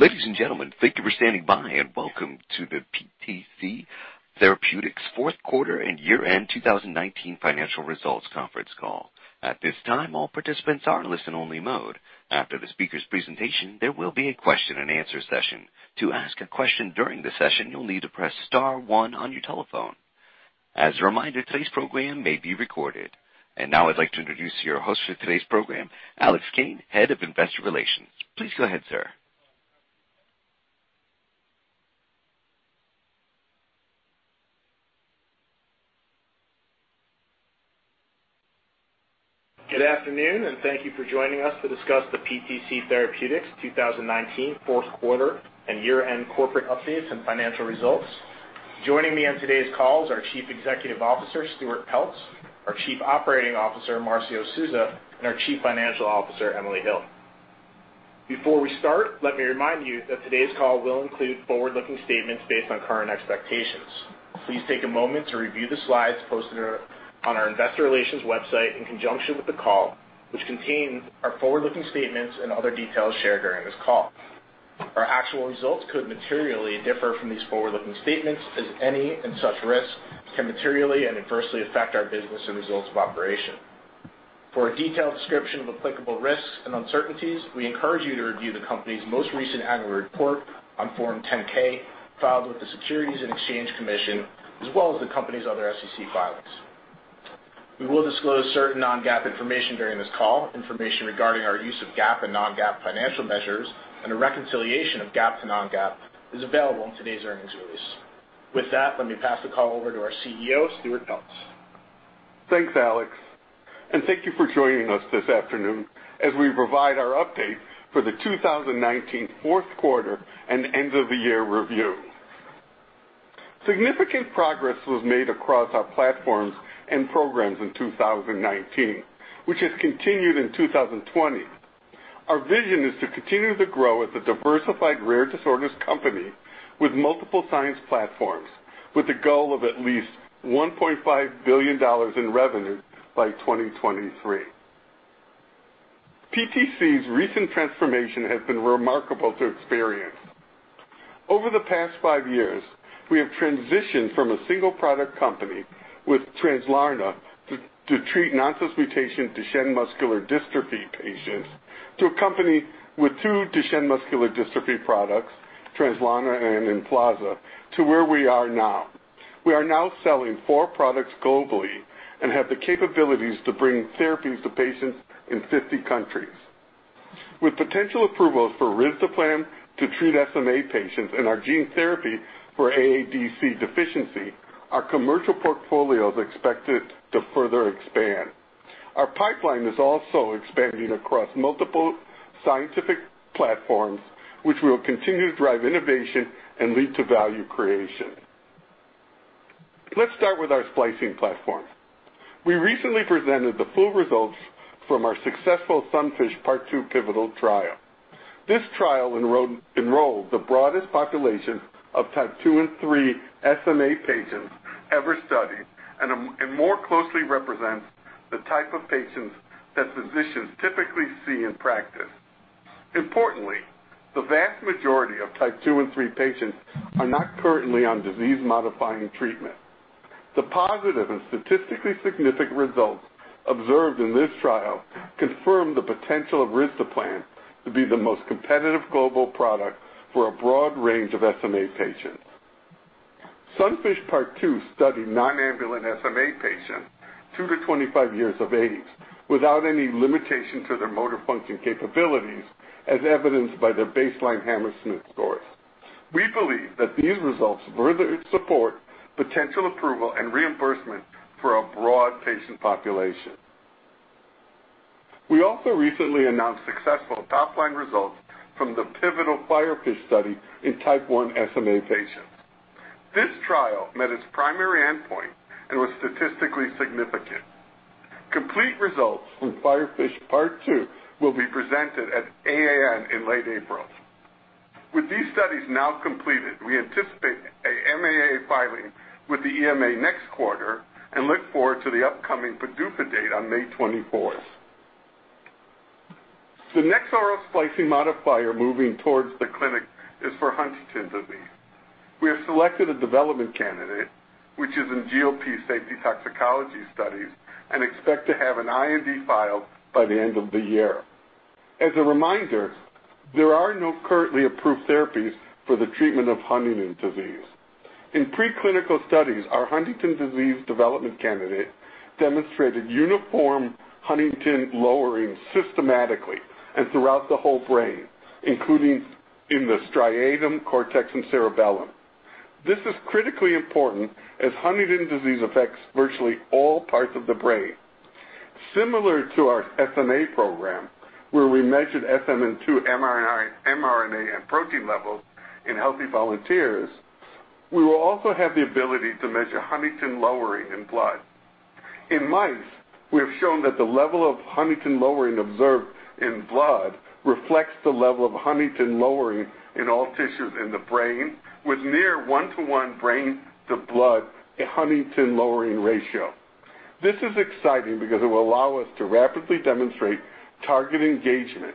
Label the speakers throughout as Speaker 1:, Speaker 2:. Speaker 1: Ladies and gentlemen, thank you for standing by, and welcome to the PTC Therapeutics Fourth Quarter and Year-End 2019 Financial Results Conference Call. At this time, all participants are in listen only mode. After the speaker's presentation, there will be a question and answer session. To ask a question during the session, you'll need to press star one on your telephone. As a reminder, today's program may be recorded. Now I'd like to introduce your host for today's program, Alex Kane, Head of Investor Relations. Please go ahead, sir.
Speaker 2: Good afternoon, and thank you for joining us to discuss the PTC Therapeutics 2019 fourth quarter and year-end corporate updates and financial results. Joining me on today's call is our Chief Executive Officer, Stuart Peltz, our Chief Operating Officer, Marcio Souza, and our Chief Financial Officer, Emily Hill. Before we start, let me remind you that today's call will include forward-looking statements based on current expectations. Please take a moment to review the slides posted on our investor relations website in conjunction with the call, which contain our forward-looking statements and other details shared during this call. Our actual results could materially differ from these forward-looking statements, as any and such risks can materially and adversely affect our business and results of operation. For a detailed description of applicable risks and uncertainties, we encourage you to review the company's most recent annual report on Form 10-K filed with the Securities and Exchange Commission, as well as the company's other SEC filings. We will disclose certain non-GAAP information during this call. Information regarding our use of GAAP and non-GAAP financial measures and a reconciliation of GAAP to non-GAAP is available in today's earnings release. With that, let me pass the call over to our CEO, Stuart Peltz.
Speaker 3: Thanks, Alex, and thank you for joining us this afternoon as we provide our update for the 2019 fourth quarter and end of the year review. Significant progress was made across our platforms and programs in 2019, which has continued in 2020. Our vision is to continue to grow as a diversified rare disorders company with multiple science platforms, with the goal of at least $1.5 billion in revenue by 2023. PTC's recent transformation has been remarkable to experience. Over the past five years, we have transitioned from a single product company with Translarna to treat nonsense mutation Duchenne muscular dystrophy patients to a company with two Duchenne muscular dystrophy products, Translarna and EMFLAZA, to where we are now. We are now selling four products globally and have the capabilities to bring therapies to patients in 50 countries. With potential approvals for risdiplam to treat SMA patients and our gene therapy for AADC deficiency, our commercial portfolio is expected to further expand. Our pipeline is also expanding across multiple scientific platforms, which will continue to drive innovation and lead to value creation. Let's start with our splicing platform. We recently presented the full results from our successful SUNFISH Part two pivotal trial. This trial enrolled the broadest population of type two and three SMA patients ever studied, and more closely represents the type of patients that physicians typically see in practice. Importantly, the vast majority of type two and three patients are not currently on disease-modifying treatment. The positive and statistically significant results observed in this trial confirm the potential of risdiplam to be the most competitive global product for a broad range of SMA patients. SUNFISH Part Two studied non-ambulant SMA patients two to 25 years of age, without any limitation to their motor function capabilities, as evidenced by their baseline Hammersmith scores. We believe that these results further support potential approval and reimbursement for a broad patient population. We also recently announced successful top-line results from the pivotal FIREFISH study in type one SMA patients. This trial met its primary endpoint and was statistically significant. Complete results from FIREFISH Part Two will be presented at AAN in late April. With these studies now completed, we anticipate a MAA filing with the EMA next quarter and look forward to the upcoming PDUFA date on May 24th. The next oral splicing modifier moving towards the clinic is for Huntington's disease. We have selected a development candidate, which is in GLP safety toxicology studies, and expect to have an IND filed by the end of the year. As a reminder, there are no currently approved therapies for the treatment of Huntington's disease. In preclinical studies, our Huntington's disease development candidate demonstrated uniform huntingtin lowering systematically and throughout the whole brain, including in the striatum, cortex, and cerebellum. This is critically important as Huntington's disease affects virtually all parts of the brain. Similar to our SMA program, where we measured SMN2 mRNA and protein levels in healthy volunteers, we will also have the ability to measure huntingtin lowering in blood. In mice, we have shown that the level of huntingtin lowering observed in blood reflects the level of huntingtin lowering in all tissues in the brain with near one-to-one brain-to-blood huntingtin lowering ratio. This is exciting because it will allow us to rapidly demonstrate target engagement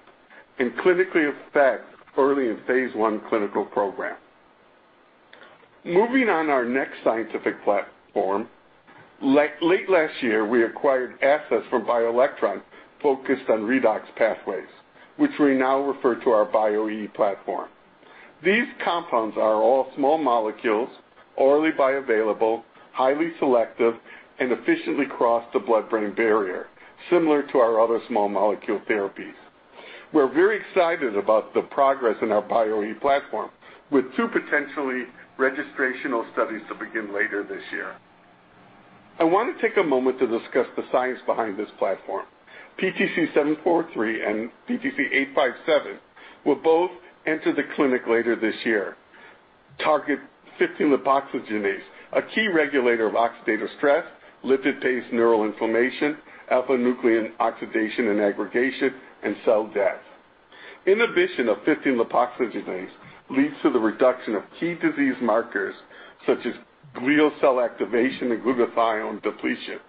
Speaker 3: and clinically affect early in phase I clinical program. Moving on our next scientific platform, late last year, we acquired assets from BioElectron focused on redox pathways, which we now refer to our Bio-E platform. These compounds are all small molecules, orally bioavailable, highly selective, and efficiently cross the blood-brain barrier, similar to our other small molecule therapies. We're very excited about the progress in our Bio-E platform, with two potentially registrational studies to begin later this year. I want to take a moment to discuss the science behind this platform. PTC-743 and PTC857 will both enter the clinic later this year. Target 15-lipoxygenase, a key regulator of oxidative stress, lipid-based neural inflammation, alpha-synuclein oxidation and aggregation, and cell death. Inhibition of 15-lipoxygenase leads to the reduction of key disease markers such as glial cell activation and glutathione depletion.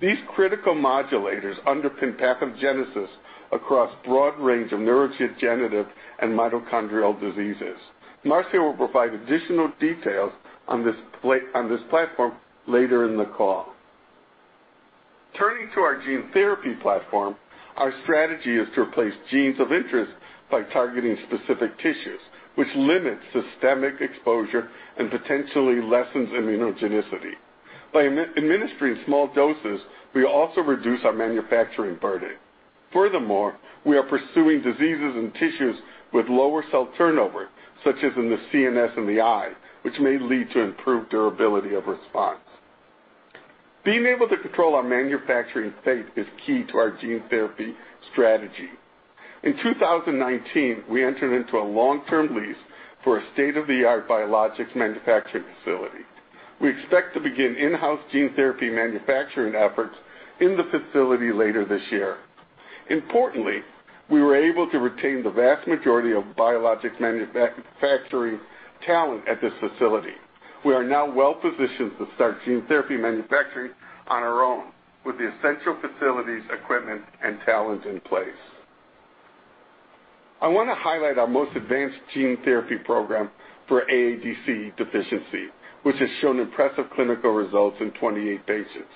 Speaker 3: These critical modulators underpin pathogenesis across a broad range of neurodegenerative and mitochondrial diseases. Marcio will provide additional details on this platform later in the call. Turning to our gene therapy platform, our strategy is to replace genes of interest by targeting specific tissues, which limits systemic exposure and potentially lessens immunogenicity. By administering small doses, we also reduce our manufacturing burden. Furthermore, we are pursuing diseases and tissues with lower cell turnover, such as in the CNS and the eye, which may lead to improved durability of response. Being able to control our manufacturing fate is key to our gene therapy strategy. In 2019, we entered into a long-term lease for a state-of-the-art biologics manufacturing facility. We expect to begin in-house gene therapy manufacturing efforts in the facility later this year. Importantly, we were able to retain the vast majority of biologics manufacturing talent at this facility. We are now well-positioned to start gene therapy manufacturing on our own, with the essential facilities, equipment, and talent in place. I want to highlight our most advanced gene therapy program for AADC deficiency, which has shown impressive clinical results in 28 patients.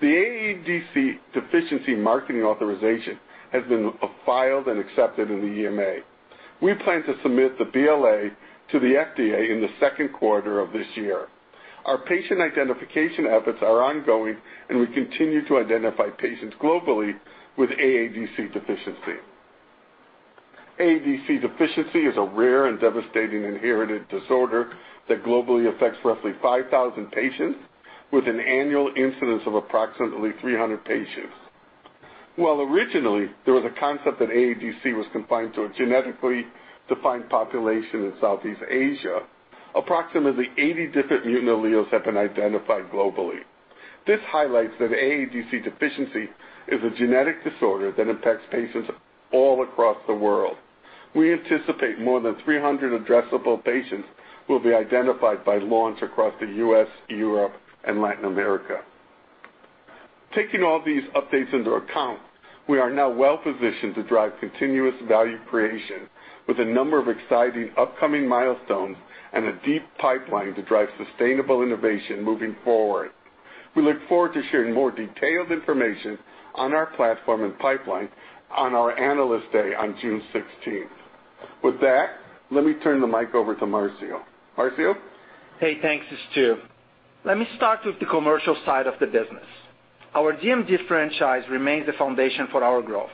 Speaker 3: The AADC deficiency marketing authorization has been filed and accepted in the EMA. We plan to submit the BLA to the FDA in the second quarter of this year. Our patient identification efforts are ongoing, and we continue to identify patients globally with AADC deficiency. AADC deficiency is a rare and devastating inherited disorder that globally affects roughly 5,000 patients, with an annual incidence of approximately 300 patients. While originally, there was a concept that AADC was confined to a genetically defined population in Southeast Asia, approximately 80 different mutant alleles have been identified globally. This highlights that AADC deficiency is a genetic disorder that affects patients all across the world. We anticipate more than 300 addressable patients will be identified by launch across the U.S., Europe, and Latin America. Taking all these updates into account, we are now well-positioned to drive continuous value creation with a number of exciting upcoming milestones and a deep pipeline to drive sustainable innovation moving forward. We look forward to sharing more detailed information on our platform and pipeline on our Analyst Day on June 16th. With that, let me turn the mic over to Marcio. Marcio?
Speaker 4: Hey, thanks, Stu. Let me start with the commercial side of the business. Our DMD franchise remains the foundation for our growth.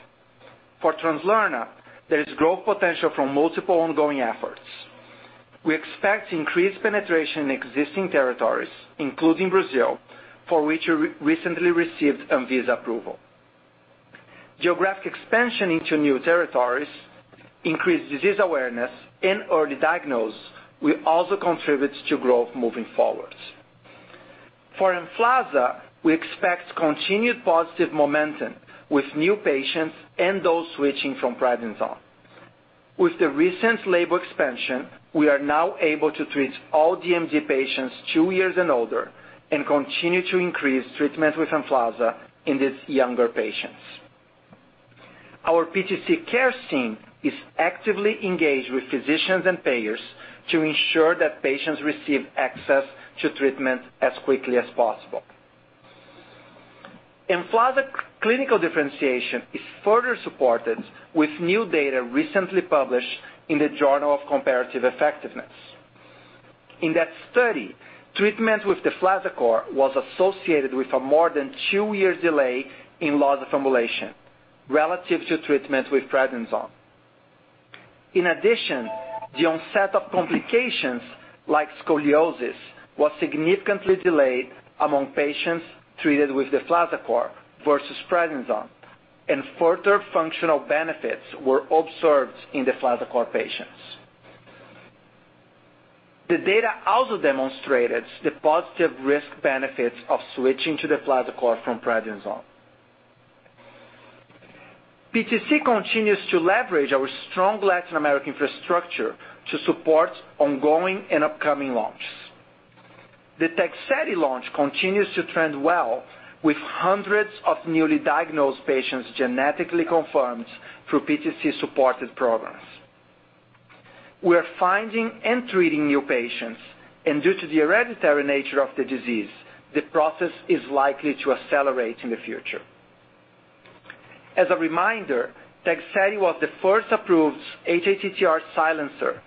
Speaker 4: For Translarna, there is growth potential from multiple ongoing efforts. We expect increased penetration in existing territories, including Brazil, for which we recently received Anvisa approval. Geographic expansion into new territories, increased disease awareness, and early diagnosis will also contribute to growth moving forward. For EMFLAZA, we expect continued positive momentum with new patients and those switching from prednisone. With the recent label expansion, we are now able to treat all DMD patients two years and older and continue to increase treatment with EMFLAZA in these younger patients. Our PTC care team is actively engaged with physicians and payers to ensure that patients receive access to treatment as quickly as possible. EMFLAZA clinical differentiation is further supported with new data recently published in the Journal of Comparative Effectiveness. In that study, treatment with deflazacort was associated with a more than two-year delay in loss of ambulation relative to treatment with prednisone. In addition, the onset of complications like scoliosis was significantly delayed among patients treated with deflazacort versus prednisone, and further functional benefits were observed in deflazacort patients. The data also demonstrated the positive risk/benefits of switching to deflazacort from prednisone. PTC continues to leverage our strong Latin American infrastructure to support ongoing and upcoming launches. The Tegsedi launch continues to trend well with hundreds of newly diagnosed patients genetically confirmed through PTC-supported programs. We are finding and treating new patients, and due to the hereditary nature of the disease, the process is likely to accelerate in the future. As a reminder, Tegsedi was the first approved hATTR silencer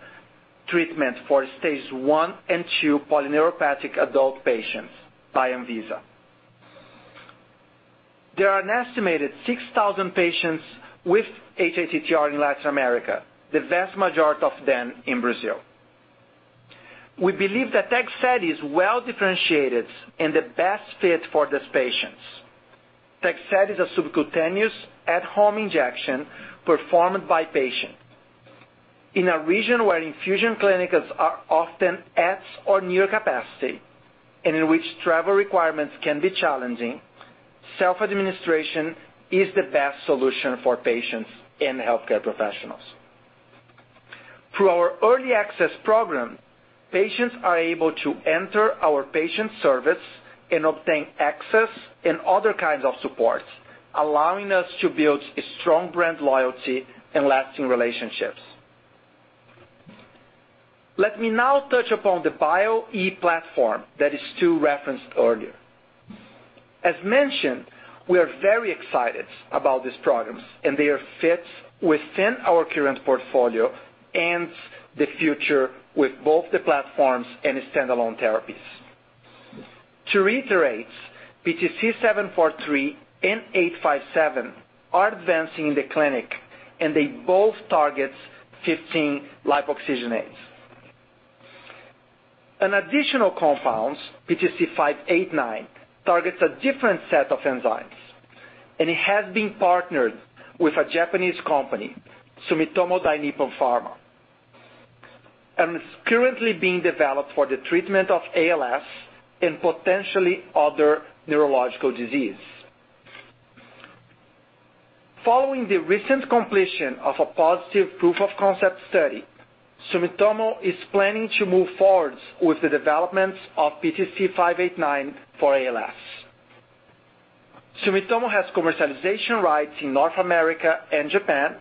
Speaker 4: treatment for stage one and two polyneuropathic adult patients by Anvisa. There are an estimated 6,000 patients with hATTR in Latin America, the vast majority of them in Brazil. We believe that Tegsedi is well-differentiated and the best fit for these patients. Tegsedi is a subcutaneous at-home injection performed by patient. In a region where infusion clinics are often at or near capacity and in which travel requirements can be challenging, self-administration is the best solution for patients and healthcare professionals. Through our early access program, patients are able to enter our patient service and obtain access and other kinds of support, allowing us to build a strong brand loyalty and lasting relationships. Let me now touch upon the Bio-e platform that Stu referenced earlier. As mentioned, we are very excited about these products, and they are fit within our current portfolio and the future with both the platforms and standalone therapies. To reiterate, PTC-743 and PTC857 are advancing the clinic. They both target 15-lipoxygenases. An additional compound, PTC-589, targets a different set of enzymes, and it has been partnered with a Japanese company, Sumitomo Dainippon Pharma, and is currently being developed for the treatment of ALS and potentially other neurological diseases. Following the recent completion of a positive proof-of-concept study, Sumitomo is planning to move forward with the developments of PTC-589 for ALS. Sumitomo has commercialization rights in North America and Japan,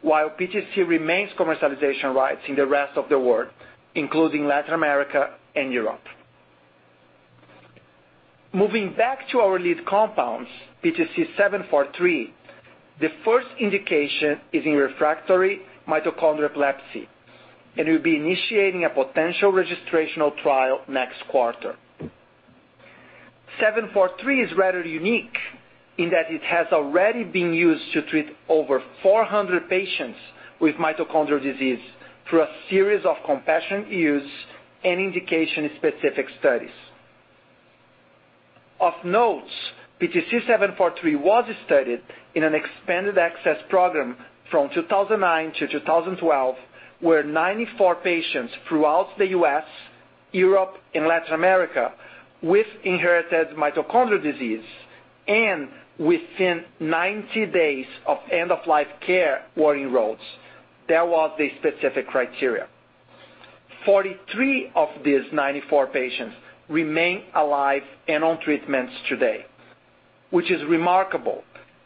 Speaker 4: while PTC retains commercialization rights in the rest of the world, including Latin America and Europe. Moving back to our lead compounds, PTC-743, the first indication is in refractory mitochondrial epilepsy, and we'll be initiating a potential registrational trial next quarter. 743 is rather unique in that it has already been used to treat over 400 patients with mitochondrial disease through a series of compassionate use and indication-specific studies. Of note, PTC-743 was studied in an expanded access program from 2009 to 2012, where 94 patients throughout the U.S., Europe, and Latin America with inherited mitochondrial disease and within 90 days of end-of-life care were enrolled. That was the specific criteria. 43 of these 94 patients remain alive and on treatments today, which is remarkable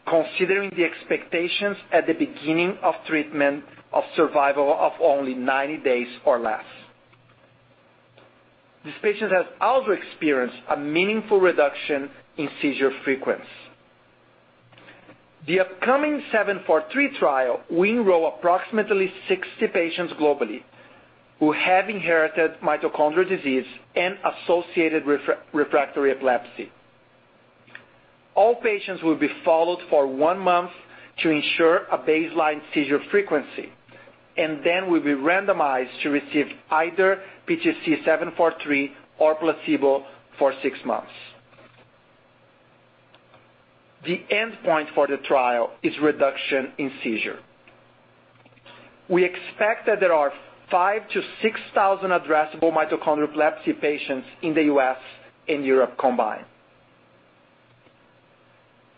Speaker 4: considering the expectations at the beginning of treatment of survival of only 90 days or less. These patients have also experienced a meaningful reduction in seizure frequency. The upcoming 743 trial will enroll approximately 60 patients globally who have inherited mitochondrial disease and associated refractory epilepsy. All patients will be followed for one month to ensure a baseline seizure frequency and then will be randomized to receive either PTC-743 or placebo for six months. The endpoint for the trial is reduction in seizure. We expect that there are 5,000-6,000 addressable mitochondrial epilepsy patients in the U.S. and Europe combined.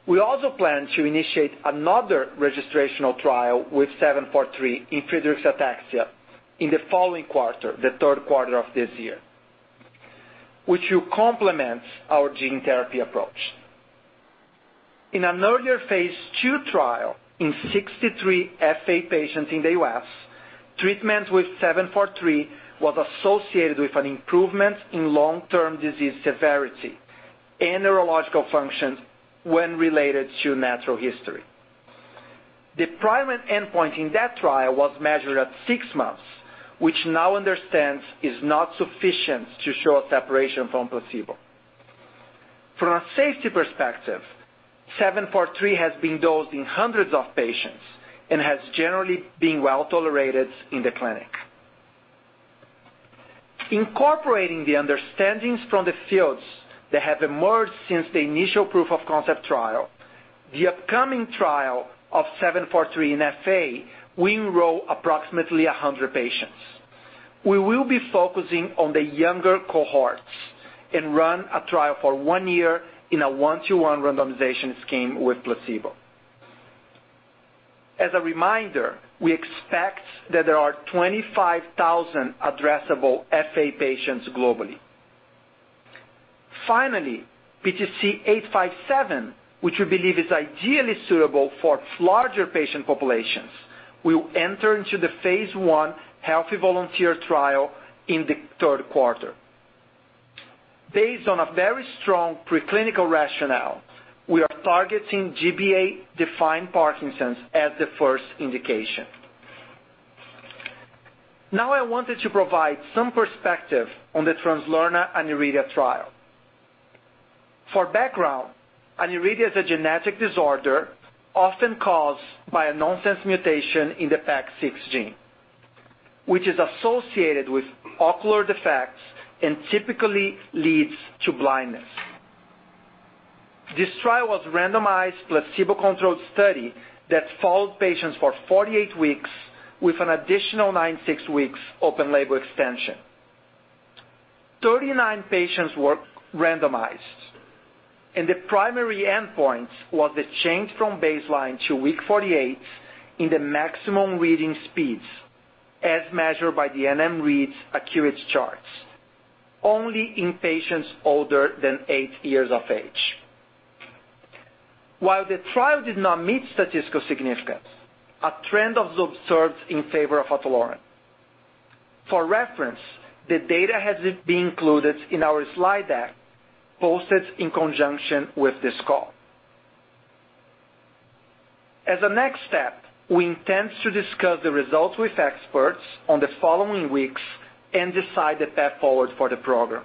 Speaker 4: We also plan to initiate another registrational trial with 743 in Friedreich's ataxia in the following quarter, the third quarter of this year, which will complement our gene therapy approach. In an earlier phase II trial in 63 FA patients in the U.S., treatment with 743 was associated with an improvement in long-term disease severity and neurological function when related to natural history. The primary endpoint in that trial was measured at six months, which now understands is not sufficient to show a separation from placebo. From a safety perspective, 743 has been dosed in hundreds of patients and has generally been well-tolerated in the clinic. Incorporating the understandings from the fields that have emerged since the initial proof of concept trial, the upcoming trial of 743 in FA will enroll approximately 100 patients. We will be focusing on the younger cohorts and run a trial for one year in a one-to-one randomization scheme with placebo. As a reminder, we expect that there are 25,000 addressable FA patients globally. Finally, PTC-857, which we believe is ideally suitable for larger patient populations, will enter into the phase I healthy volunteer trial in the third quarter. Based on a very strong preclinical rationale, we are targeting GBA defined Parkinson's as the first indication. Now I wanted to provide some perspective on the Translarna aniridia trial. For background, aniridia is a genetic disorder often caused by a nonsense mutation in the PAX6 gene, which is associated with ocular defects and typically leads to blindness. This trial was randomized placebo-controlled study that followed patients for 48 weeks with an additional 96 weeks open-label extension. 39 patients were randomized, and the primary endpoint was the change from baseline to week 48 in the maximum reading speeds as measured by the MNREAD Acuity Charts, only in patients older than eight years of age. While the trial did not meet statistical significance, a trend was observed in favor of ataluren. For reference, the data has been included in our slide deck posted in conjunction with this call. As a next step, we intend to discuss the results with experts on the following weeks and decide the path forward for the program.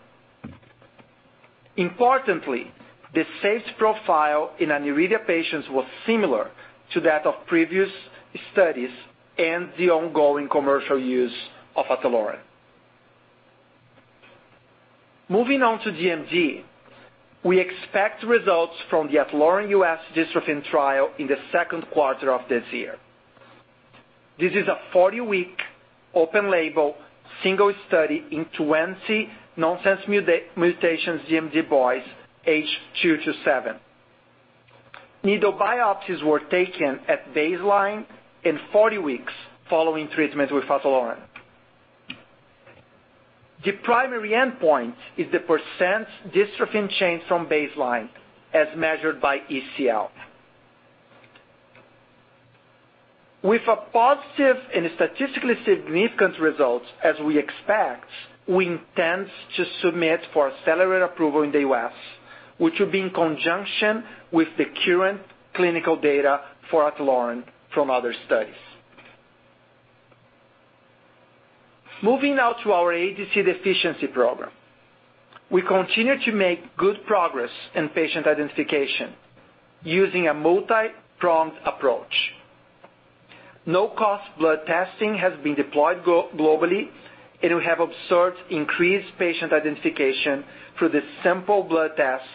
Speaker 4: Importantly, the safe profile in aniridia patients was similar to that of previous studies and the ongoing commercial use of ataluren. Moving on to DMD, we expect results from the ataluren U.S. dystrophin trial in the second quarter of this year. This is a 40-week open label single study in 20 nonsense mutations DMD boys aged two to seven. Needle biopsies were taken at baseline and 40 weeks following treatment with ataluren. The primary endpoint is the % dystrophin change from baseline as measured by ECL. With a positive and statistically significant result, as we expect, we intend to submit for accelerated approval in the U.S., which will be in conjunction with the current clinical data for ataluren from other studies. Moving now to our AADC deficiency program. We continue to make good progress in patient identification using a multi-pronged approach. No-cost blood testing has been deployed globally, and we have observed increased patient identification through the simple blood tests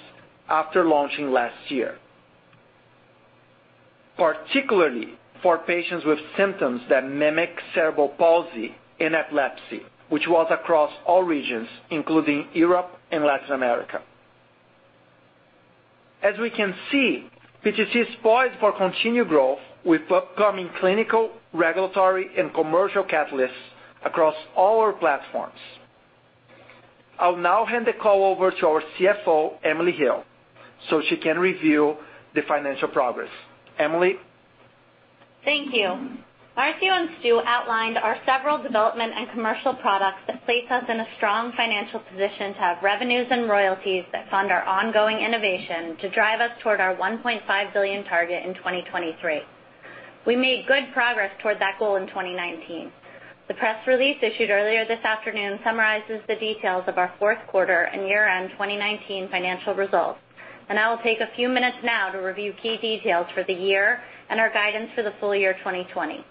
Speaker 4: after launching last year. Particularly for patients with symptoms that mimic cerebral palsy and epilepsy, which was across all regions, including Europe and Latin America. As we can see, PTC is poised for continued growth with upcoming clinical, regulatory, and commercial catalysts across all our platforms. I'll now hand the call over to our CFO, Emily Hill, so she can review the financial progress. Emily.
Speaker 5: Thank you. Marcio and Stu outlined our several development and commercial products that place us in a strong financial position to have revenues and royalties that fund our ongoing innovation to drive us toward our $1.5 billion target in 2023. We made good progress toward that goal in 2019. The press release issued earlier this afternoon summarizes the details of our fourth quarter and year-end 2019 financial results. I will take a few minutes now to review key details for the year and our guidance for the full year 2020.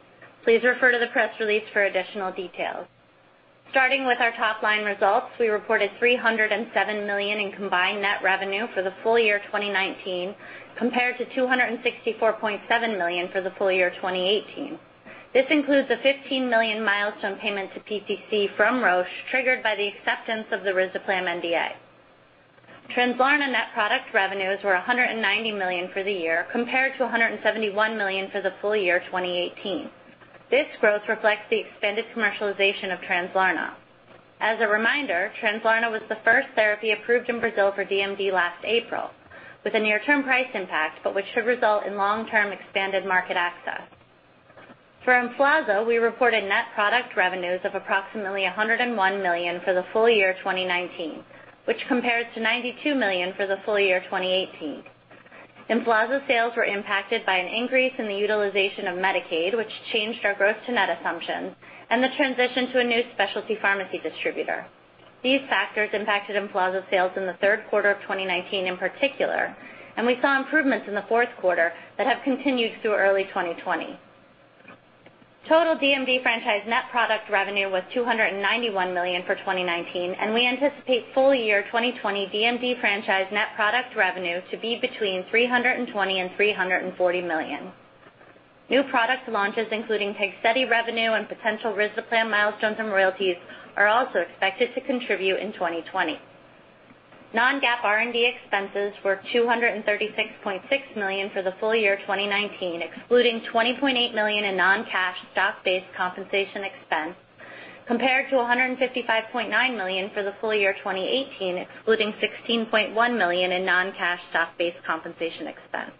Speaker 5: Please refer to the press release for additional details. Starting with our top-line results, we reported $307 million in combined net revenue for the full year 2019, compared to $264.7 million for the full year 2018. This includes the $15 million milestone payment to PTC from Roche, triggered by the acceptance of the risdiplam NDA. Translarna net product revenues were $190 million for the year compared to $171 million for the full year 2018. This growth reflects the expanded commercialization of Translarna. As a reminder, Translarna was the first therapy approved in Brazil for DMD last April with a near-term price impact, but which should result in long-term expanded market access. For EMFLAZA, we reported net product revenues of approximately $101 million for the full year 2019, which compares to $92 million for the full year 2018. EMFLAZA sales were impacted by an increase in the utilization of Medicaid, which changed our growth to net assumptions and the transition to a new specialty pharmacy distributor. These factors impacted EMFLAZA sales in the third quarter of 2019 in particular, and we saw improvements in the fourth quarter that have continued through early 2020. Total DMD franchise net product revenue was $291 million for 2019. We anticipate full year 2020 DMD franchise net product revenue to be between $320 and $340 million. New product launches, including Tegsedi revenue and potential risdiplam milestones and royalties, are also expected to contribute in 2020. Non-GAAP R&D expenses were $236.6 million for the full year 2019, excluding $20.8 million in non-cash stock-based compensation expense, compared to $155.9 million for the full year 2018, excluding $16.1 million in non-cash stock-based compensation expense.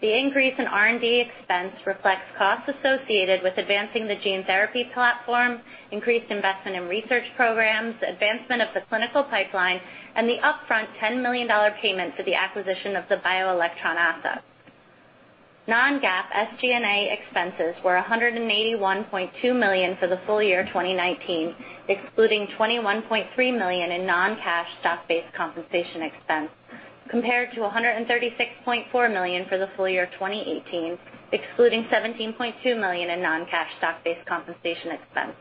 Speaker 5: The increase in R&D expense reflects costs associated with advancing the gene therapy platform, increased investment in research programs, advancement of the clinical pipeline, and the upfront $10 million payment for the acquisition of the BioElectron assets. Non-GAAP SG&A expenses were $181.2 million for the full year 2019, excluding $21.3 million in non-cash stock-based compensation expense, compared to $136.4 million for the full year 2018, excluding $17.2 million in non-cash stock-based compensation expense.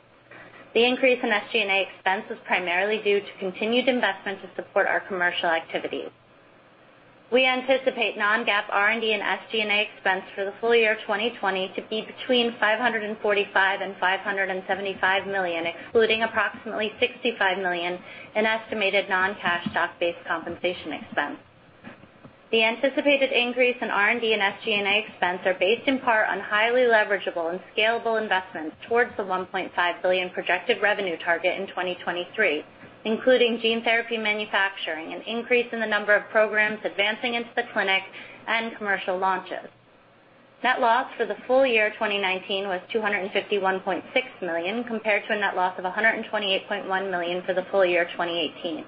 Speaker 5: The increase in SG&A expense is primarily due to continued investment to support our commercial activities. We anticipate non-GAAP R&D and SG&A expense for the full year 2020 to be between $545 million and $575 million, excluding approximately $65 million in estimated non-cash stock-based compensation expense. The anticipated increase in R&D and SG&A expense are based in part on highly leverageable and scalable investments towards the $1.5 billion projected revenue target in 2023, including gene therapy manufacturing, an increase in the number of programs advancing into the clinic, and commercial launches. Net loss for the full year 2019 was $251.6 million, compared to a net loss of $128.1 million for the full year 2018.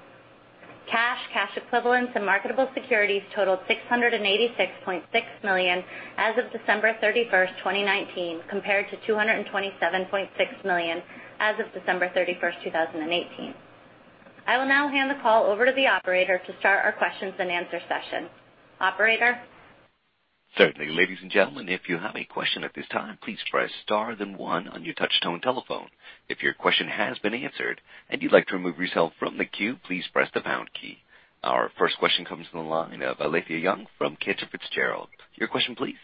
Speaker 5: Cash, cash equivalents, and marketable securities totaled $686.6 million as of December 31st, 2019, compared to $227.6 million as of December 31st, 2018. I will now hand the call over to the operator to start our questions and answer session. Operator?
Speaker 1: Certainly. Ladies and gentlemen, if you have a question at this time, please press star then one on your touch tone telephone. If your question has been answered and you'd like to remove yourself from the queue, please press the pound key. Our first question comes from the line of Alethia Young from Cantor Fitzgerald. Your question, please.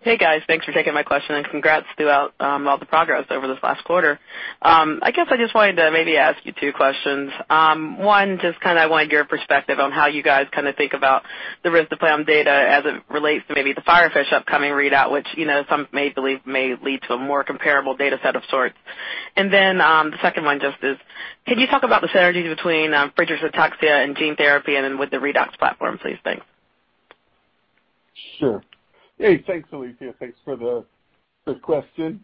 Speaker 6: Hey, guys. Thanks for taking my question and congrats throughout all the progress over this last quarter. I guess I just wanted to maybe ask you two questions. One, just kind of wanted your perspective on how you guys think about the risdiplam data as it relates to maybe the FIREFISH upcoming readout, which some may believe may lead to a more comparable data set of sorts. The second one just is, can you talk about the synergies between Friedreich's ataxia and gene therapy and with the Bio-e platform, please? Thanks.
Speaker 3: Sure. Hey, thanks, Alethia. Thanks for the question.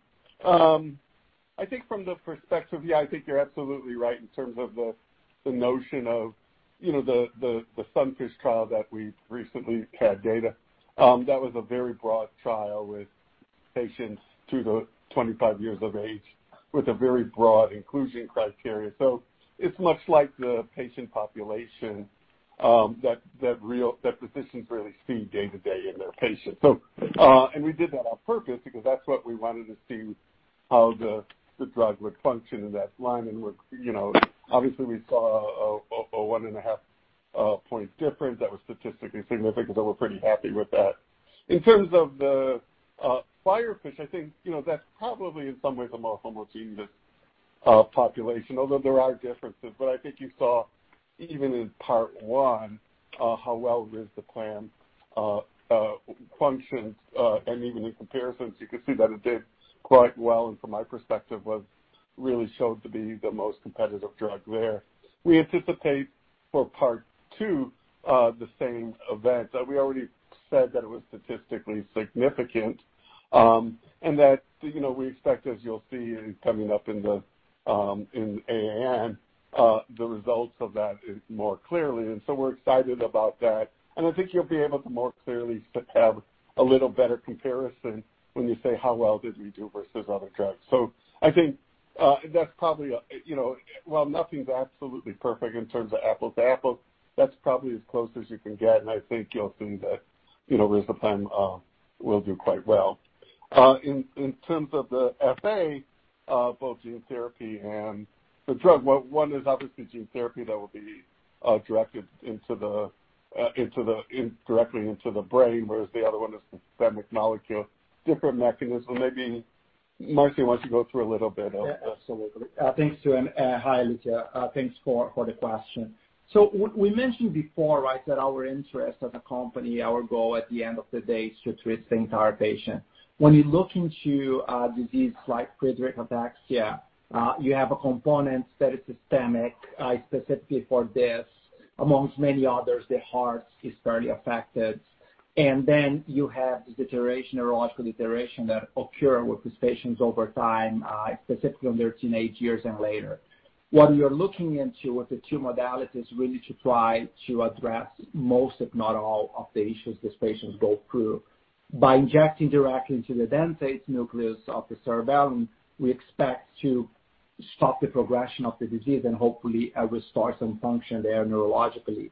Speaker 3: I think from the perspective, yeah, I think you're absolutely right in terms of the notion of the SUNFISH trial that we recently had data. That was a very broad trial with patients two to 25 years of age with a very broad inclusion criteria. It's much like the patient population that physicians really see day to day in their patients. We did that on purpose because that's what we wanted to see how the drug would function in that line and obviously we saw a one and a half point difference that was statistically significant, we're pretty happy with that. In terms of the FIREFISH, I think that's probably, in some ways, a more homogeneous population, although there are differences. I think you saw, even in part one, how well risdiplam functions. Even in comparisons, you could see that it did quite well, and from my perspective, really showed to be the most competitive drug there. We anticipate for part two the same event. We already said that it was statistically significant, and that we expect, as you'll see coming up in AAN, the results of that more clearly. We're excited about that. I think you'll be able to more clearly have a little better comparison when you say how well did we do versus other drugs. I think that's probably, while nothing's absolutely perfect in terms of apples to apples, that's probably as close as you can get, and I think you'll see that risdiplam will do quite well. In terms of the FA, both gene therapy and the drug, one is obviously gene therapy that will be directly into the brain, whereas the other one is the systemic molecule. Different mechanism. Maybe Marcy wants to go through a little bit of that.
Speaker 4: Absolutely. Hi, Alethia. Thanks for the question. We mentioned before, that our interest as a company, our goal at the end of the day is to treat the entire patient. When you look into a disease like Friedreich's ataxia, you have a component that is systemic, specifically for this, amongst many others, the heart is fairly affected. Then you have the deterioration, neurological deterioration that occur with these patients over time, specifically in their teenage years and later. What you're looking into with the two modalities really to try to address most, if not all, of the issues these patients go through. By injecting directly into the dentate nucleus of the cerebellum, we expect to stop the progression of the disease and hopefully restore some function there neurologically.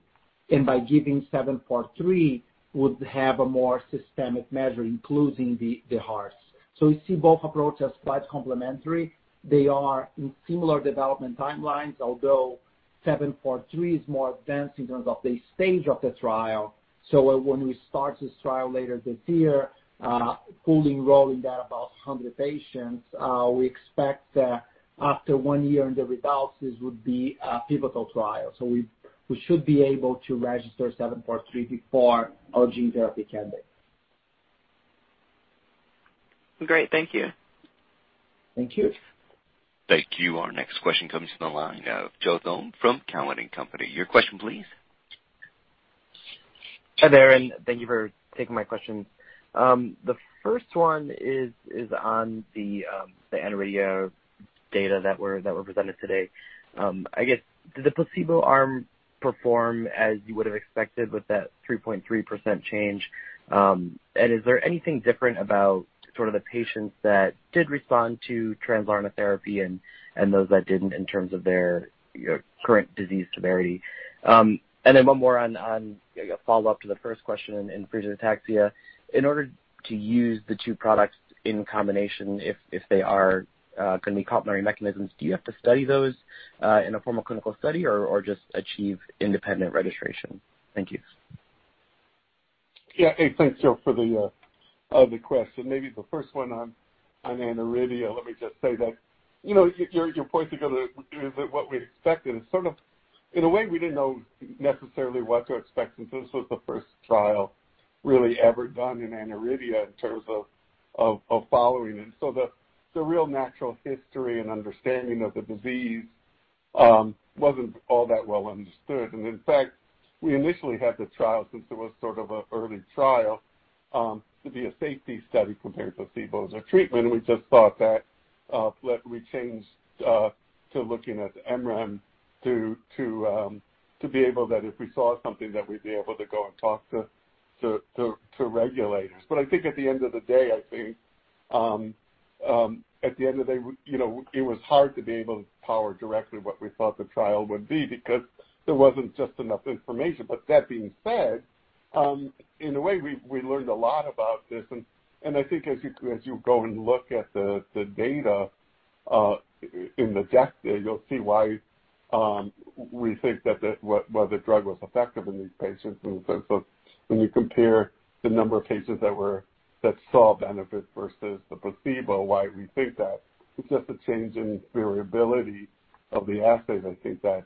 Speaker 4: By giving 743, would have a more systemic measure, including the hearts. We see both approaches quite complementary. They are in similar development timelines, although 743 is more advanced in terms of the stage of the trial. When we start this trial later this year, fully enrolling that about 100 patients, we expect that after one year and the results, this would be a pivotal trial. We should be able to register 743 before our gene therapy candidate.
Speaker 6: Great. Thank you.
Speaker 4: Thank you.
Speaker 1: Thank you. Our next question comes from the line of Joe Zone from Cowen and Company. Your question, please.
Speaker 7: Hi there, and thank you for taking my question. The first one is on the aniridia data that were presented today. I guess, did the placebo arm perform as you would have expected with that 3.3% change? Is there anything different about sort of the patients that did respond to Translarna therapy and those that didn't in terms of their current disease severity? Then one more on a follow-up to the first question in Friedreich's ataxia. In order to use the two products in combination, if they are going to be complementary mechanisms, do you have to study those in a formal clinical study or just achieve independent registration? Thank you.
Speaker 3: Hey, thanks, Joe, for the question. Maybe the first one on aniridia, let me just say that, your point is going to, is it what we expected is sort of, in a way, we didn't know necessarily what to expect since this was the first trial really ever done in aniridia in terms of following. The real natural history and understanding of the disease wasn't all that well understood. In fact, we initially had the trial, since it was sort of an early trial, to be a safety study compared to placebo as a treatment. We just thought that we changed to looking at mRNA to be able that if we saw something that we'd be able to go and talk to regulators. I think at the end of the day, it was hard to be able to power directly what we thought the trial would be because there wasn't just enough information. That being said, in a way, we learned a lot about this, and I think as you go and look at the data in the deck there, you'll see why we think that why the drug was effective in these patients. When you compare the number of patients that saw benefit versus the placebo, why we think that it's just a change in variability of the assay, I think that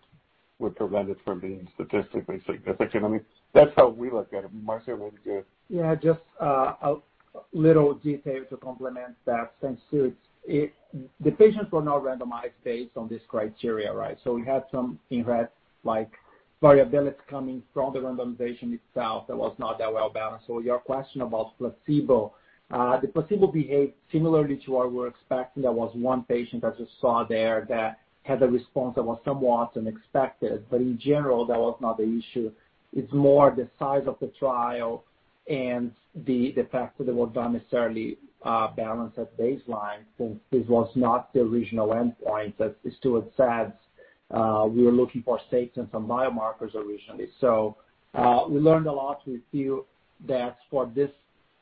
Speaker 3: would prevent it from being statistically significant. I mean, that's how we look at it. Marcio, want to.
Speaker 4: Yeah, just a little detail to complement that. The patients were not randomized based on this criteria, right? We had some inherent variability coming from the randomization itself that was not that well balanced. Your question about placebo, the placebo behaved similarly to what we were expecting. There was one patient, as you saw there, that had a response that was somewhat unexpected, but in general, that was not the issue. It's more the size of the trial and the fact that they were not necessarily balanced at baseline since this was not the original endpoint that Stuart said. We were looking for safety and some biomarkers originally. We learned a lot. We feel that for this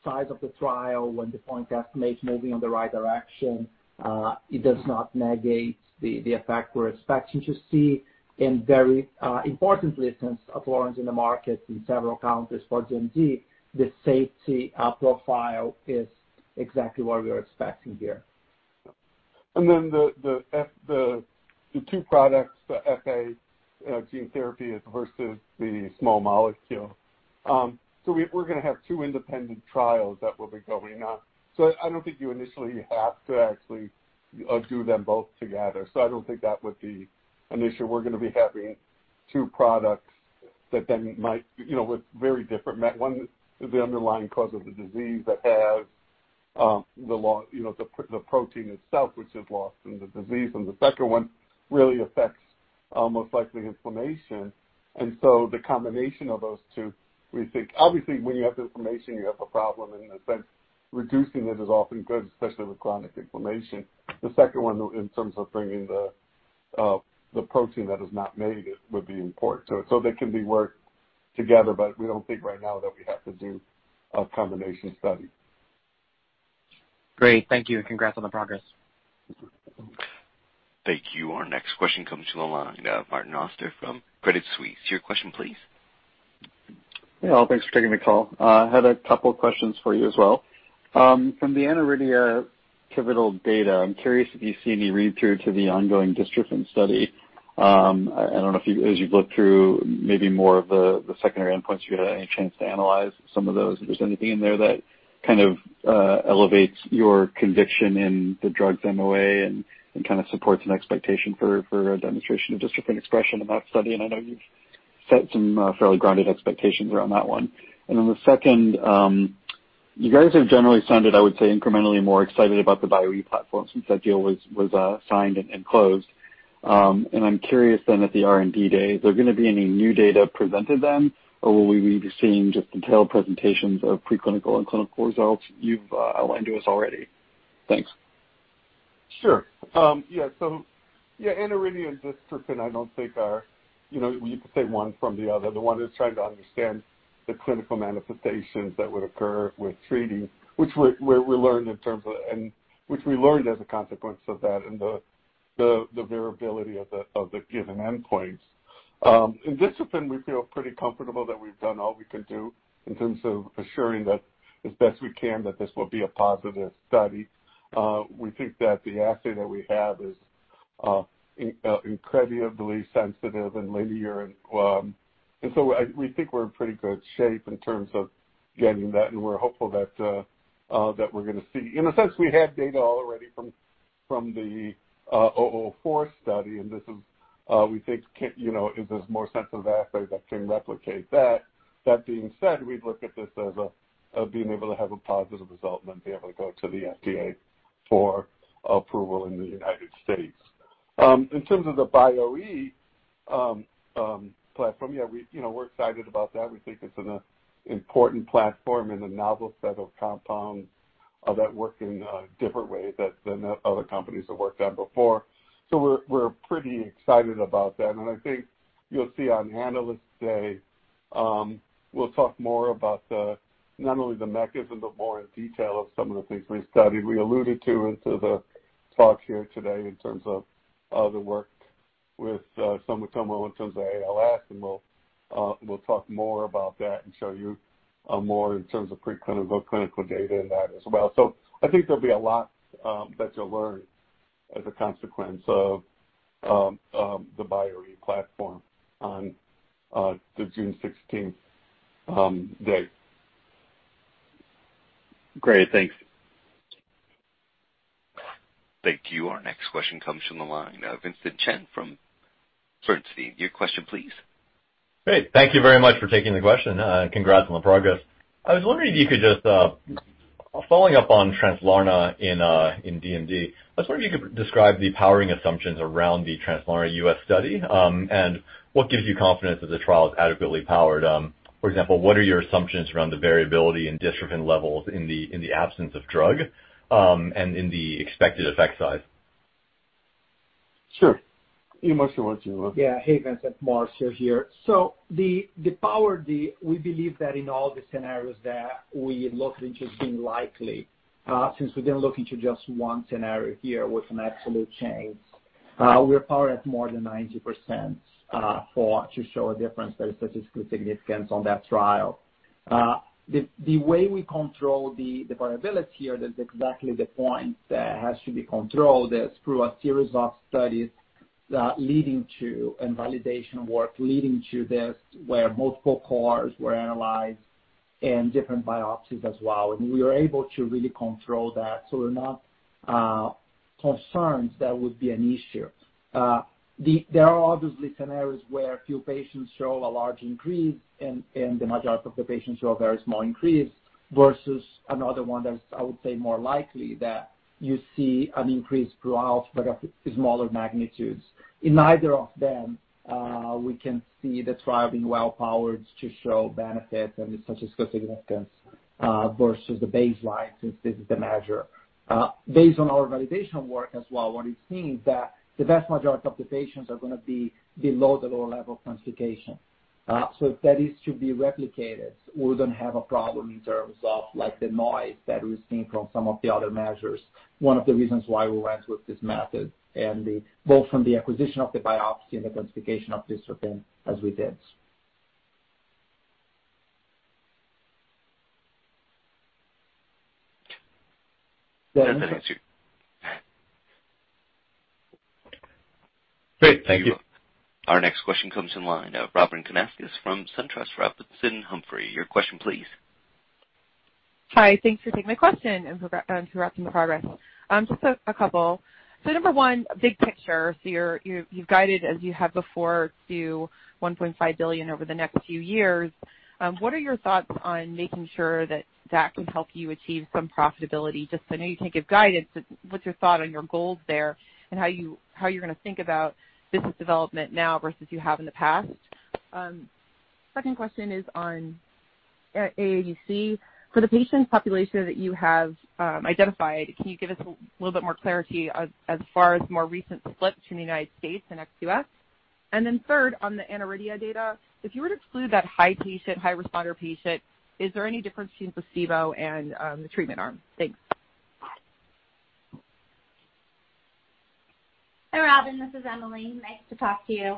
Speaker 4: size of the trial, when the point estimate is moving in the right direction, it does not negate the effect we're expecting to see. Very importantly, since Translarna in the market in several countries for DMD, the safety profile is exactly what we're expecting here.
Speaker 3: Then the two products, the FA gene therapy versus the small molecule. So we're going to have two independent trials that we'll be going on. So I don't think you initially have to actually do them both together. So I don't think that would be an issue. We're going to be having two products that then might, with very different, one is the underlying cause of the disease that has the protein itself, which is lost in the disease. The second one really affects most likely inflammation. So the combination of those two, we think obviously when you have inflammation, you have a problem, and in a sense, reducing it is often good, especially with chronic inflammation. The second one, in terms of bringing the protein that is not made, it would be important. They can be worked together, but we don't think right now that we have to do a combination study.
Speaker 7: Great. Thank you, and congrats on the progress.
Speaker 1: Thank you. Our next question comes from the line of Martin Auster from Credit Suisse. Your question, please.
Speaker 8: Yeah. Thanks for taking the call. I had a couple questions for you as well. From the aniridia pivotal data, I'm curious if you see any read-through to the ongoing dystrophin study. I don't know if as you've looked through maybe more of the secondary endpoints, you had any chance to analyze some of those. If there's anything in there that kind of elevates your conviction in the drug's MOA and kind of supports an expectation for a demonstration of dystrophin expression in that study. I know you've set some fairly grounded expectations around that one. The second, you guys have generally sounded, I would say, incrementally more excited about the Bio-e platform since that deal was signed and closed. I'm curious then at the R&D Day, is there going to be any new data presented then, or will we be seeing just detailed presentations of preclinical and clinical results you've outlined to us already? Thanks.
Speaker 3: Sure. Yeah, aniridia and dystrophin I don't think are. You could say one from the other. The one who's trying to understand the clinical manifestations that would occur with treating, which we learned as a consequence of that, and the variability of the given endpoints. In dystrophin, we feel pretty comfortable that we've done all we can do in terms of assuring, as best we can, that this will be a positive study. We think that the assay that we have is incredibly sensitive and linear. We think we're in pretty good shape in terms of getting that, and we're hopeful that we're going to see. In a sense, we have data already from the 004 study. This is, we think, is this more sensitive assay that can replicate that. That being said, we look at this as being able to have a positive result and then be able to go to the FDA for approval in the United States. In terms of the BioE platform, we're excited about that. We think it's an important platform and a novel set of compounds that work in different ways than other companies have worked on before. We're pretty excited about that, and I think you'll see on Analyst Day, we'll talk more about not only the mechanism, but more in detail of some of the things we studied. We alluded to it in the talk here today in terms of the work with some of them in terms of ALS, and we'll talk more about that and show you more in terms of preclinical clinical data in that as well. I think there'll be a lot that you'll learn as a consequence of the Bio-e platform on the June 16th date.
Speaker 8: Great. Thanks.
Speaker 1: Thank you. Our next question comes from the line of Vincent Chen from Bernstein. Your question, please.
Speaker 9: Great. Thank you very much for taking the question. Congrats on the progress. I was wondering if you could just, following up on Translarna in DMD, I was wondering if you could describe the powering assumptions around the Translarna U.S. study, and what gives you confidence that the trial is adequately powered. For example, what are your assumptions around the variability in dystrophin levels in the absence of drug, and in the expected effect size?
Speaker 3: Sure. Marcio, why don't you?
Speaker 4: Yeah. Hey, Vincent. Marcio here. The power, we believe that in all the scenarios that we looked into as being likely, since we didn't look into just one scenario here with an absolute change, we are powered at more than 90% to show a difference that is statistically significant on that trial. The way we control the variability here, that's exactly the point that has to be controlled, is through a series of studies and validation work leading to this, where multiple cores were analyzed and different biopsies as well. We were able to really control that, so we're not concerned that would be an issue. There are obviously scenarios where few patients show a large increase and the majority of the patients show a very small increase versus another one that is, I would say, more likely that you see an increase throughout, but at smaller magnitudes. In either of them, we can see the trial being well powered to show benefit and statistical significance versus the baseline since this is the measure. Based on our validation work as well, what we've seen is that the vast majority of the patients are going to be below the lower level quantification. If that is to be replicated, we wouldn't have a problem in terms of the noise that we've seen from some of the other measures. One of the reasons why we went with this method and both from the acquisition of the biopsy and the quantification of dystrophin as we did.
Speaker 3: That answer-
Speaker 9: Great. Thank you.
Speaker 1: Our next question comes from the line of Robyn Karnauskas from SunTrust Robinson Humphrey. Your question, please.
Speaker 10: Hi. Thanks for taking my question and congrats on the progress. Just a couple. Number one, big picture. You've guided, as you have before, to $1.5 billion over the next few years. What are your thoughts on making sure that that can help you achieve some profitability? Just so I know you can't give guidance, but what's your thought on your goals there and how you're going to think about business development now versus you have in the past? Second question is on AADC. For the patient population that you have identified, can you give us a little bit more clarity as far as more recent splits in the U.S. and ex-U.S.? Then third, on the aniridia data, if you were to exclude that high patient, high responder patient, is there any difference between placebo and the treatment arm? Thanks.
Speaker 5: Hi, Robyn. This is Emily. Nice to talk to you.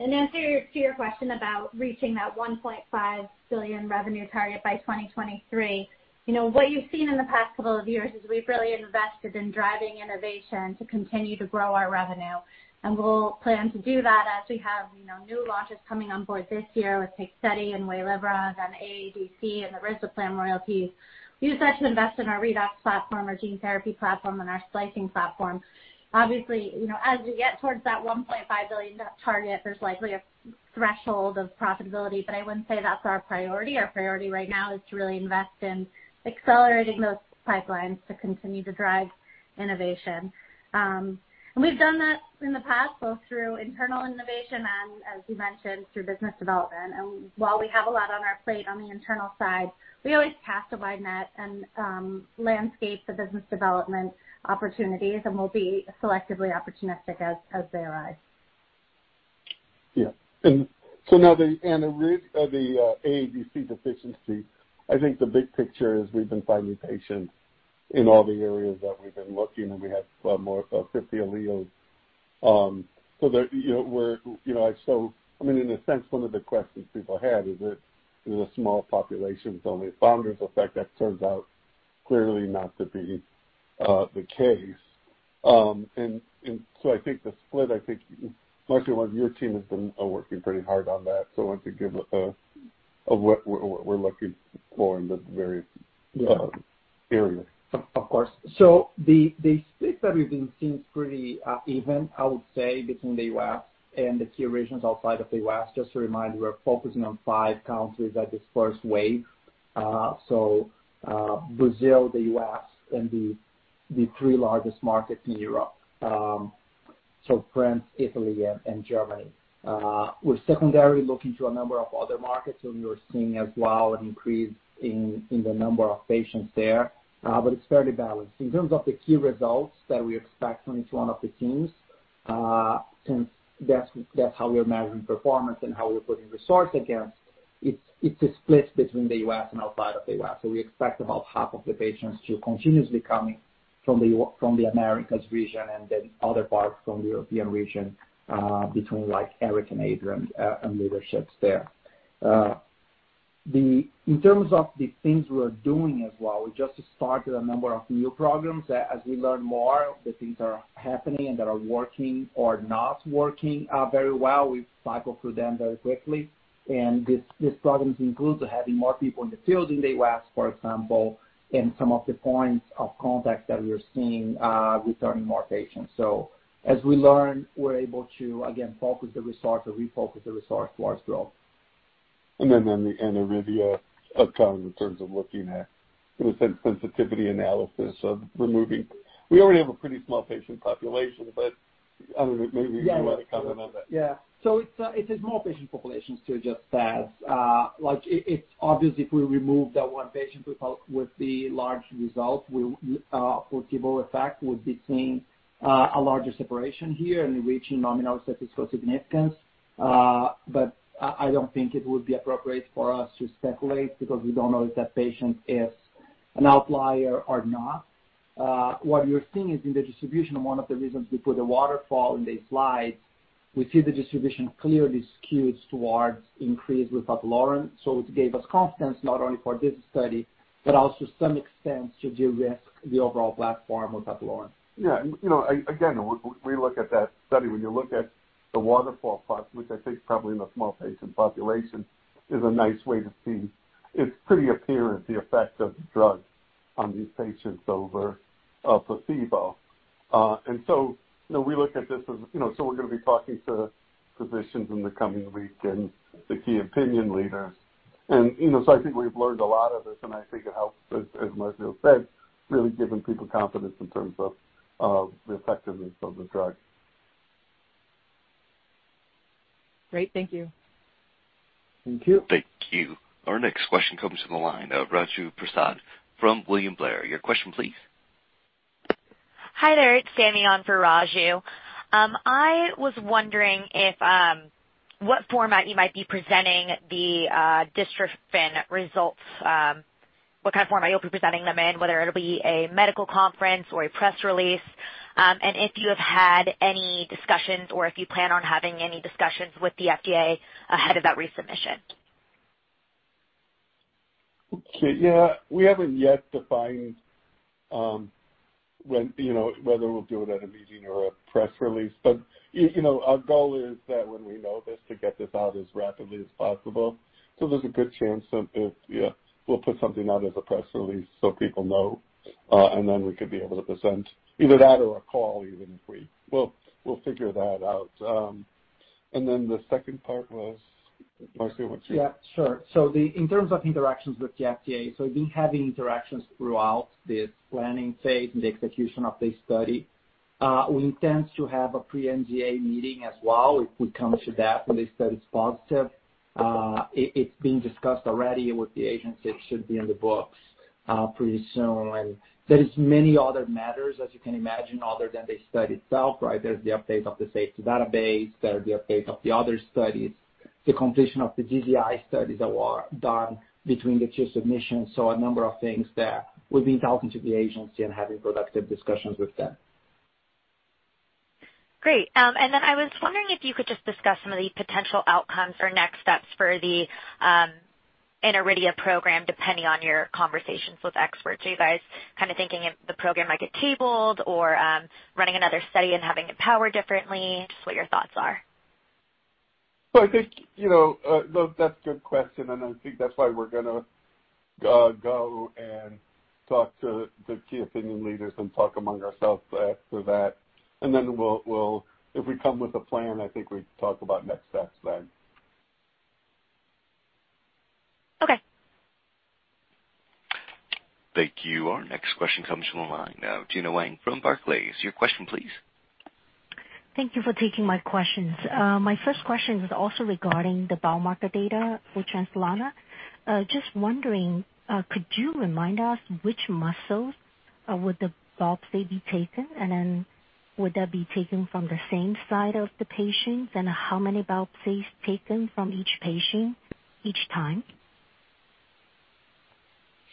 Speaker 5: In answer to your question about reaching that $1.5 billion revenue target by 2023, what you've seen in the past couple of years is we've really invested in driving innovation to continue to grow our revenue, and we'll plan to do that as we have new launches coming on board this year with Tegsedi and WAYLIVRA, then AADC and the risdiplam royalties. We've decided to invest in our Redox platform, our gene therapy platform, and our splicing platform. Obviously, as we get towards that $1.5 billion target, there's likely a threshold of profitability, but I wouldn't say that's our priority. Our priority right now is to really invest in accelerating those pipelines to continue to drive innovation. We've done that in the past, both through internal innovation and, as you mentioned, through business development. While we have a lot on our plate on the internal side, we always cast a wide net and landscape the business development opportunities, and we'll be selectively opportunistic as they arise.
Speaker 3: Yeah. Now, the AADC deficiency, I think the big picture is we've been finding patients in all the areas that we've been looking, and we have more 50 alleles. In a sense, one of the questions people had is that there's a small population, so a founder's effect. That turns out clearly not to be the case. I think the split, Marcio, your team has been working pretty hard on that, so why don't you give what we're looking for in the various areas.
Speaker 4: Of course. The split that we've been seeing is pretty even, I would say, between the U.S. and the key regions outside of the U.S. Just to remind you, we're focusing on five countries at this first wave. Brazil, the U.S., and the three largest markets in Europe. France, Italy, and Germany. We're secondarily looking to a number of other markets where we are seeing as well an increase in the number of patients there, but it's fairly balanced. In terms of the key results that we expect from each one of the teams, since that's how we are measuring performance and how we're putting resource against, it's a split between the U.S. and outside of the U.S. We expect about half of the patients to continuously be coming from the Americas region and then other parts from the European region, between Eric and Adrian and leaderships there. In terms of the things we're doing as well, we just started a number of new programs. As we learn more of the things that are happening and that are working or not working very well, we cycle through them very quickly. These programs include having more people in the field in the U.S., for example, and some of the points of contact that we are seeing returning more patients. As we learn, we're able to, again, focus the resource or refocus the resource towards growth.
Speaker 3: On the aniridia outcome in terms of looking at, in a sense, sensitivity analysis of removing. We already have a pretty small patient population, but, I don't know, maybe you want to comment on that.
Speaker 4: Yeah. It is small patient populations too, just as. It's obvious if we remove that one patient with the large result, placebo effect, we'll be seeing a larger separation here and reaching nominal statistical significance. I don't think it would be appropriate for us to speculate, because we don't know if that patient is an outlier or not. What you're seeing is in the distribution, and one of the reasons we put a waterfall in the slides, we see the distribution clearly skews towards increased with Translarna. It gave us confidence not only for this study, but also to some extent, to de-risk the overall platform with Translarna.
Speaker 3: Yeah. Again, when you look at that study, when you look at the waterfall plot, which I think probably in a small patient population is a nice way to see, it's pretty apparent the effect of the drug on these patients over placebo. We look at this as we're going to be talking to physicians in the coming week and the key opinion leaders. I think we've learned a lot of this, and I think it helps, as Marcio said, really giving people confidence in terms of the effectiveness of the drug.
Speaker 10: Great. Thank you.
Speaker 3: Thank you.
Speaker 1: Thank you. Our next question comes from the line of Raju Prasad from William Blair. Your question, please.
Speaker 11: Hi there. It's Tammy on for Raju. I was wondering what format you might be presenting the dystrophin results. What kind of format you'll be presenting them in, whether it'll be a medical conference or a press release. If you have had any discussions or if you plan on having any discussions with the FDA ahead of that resubmission.
Speaker 3: Okay. Yeah. We haven't yet defined whether we'll do it at a meeting or a press release. Our goal is that when we know this, to get this out as rapidly as possible. There's a good chance that we'll put something out as a press release so people know, and then we could be able to present either that or a call. We'll figure that out. The second part was, Marcio?
Speaker 4: Yeah, sure. In terms of interactions with the FDA, we've been having interactions throughout the planning phase and the execution of the study. We intend to have a pre-NDA meeting as well, if we come to that, when the study is positive. It's being discussed already with the agency. It should be in the books pretty soon. There is many other matters, as you can imagine, other than the study itself, right? There's the update of the safety database, there's the update of the other studies, the completion of the DDI studies that were done between the two submissions. A number of things there. We've been talking to the agency and having productive discussions with them.
Speaker 11: Great. I was wondering if you could just discuss some of the potential outcomes or next steps for the aniridia program, depending on your conversations with experts. Are you guys thinking if the program might get tabled or running another study and having it powered differently? Just what your thoughts are.
Speaker 3: I think that's a good question, and I think that's why we're going to go and talk to the key opinion leaders and talk among ourselves after that. If we come with a plan, I think we'd talk about next steps then.
Speaker 1: Thank you. Our next question comes from the line of Gena Wang from Barclays. Your question, please.
Speaker 12: Thank you for taking my questions. My first question is also regarding the biomarker data for Translarna. Just wondering, could you remind us which muscles would the biopsy be taken? Would that be taken from the same side of the patients? How many biopsies taken from each patient each time?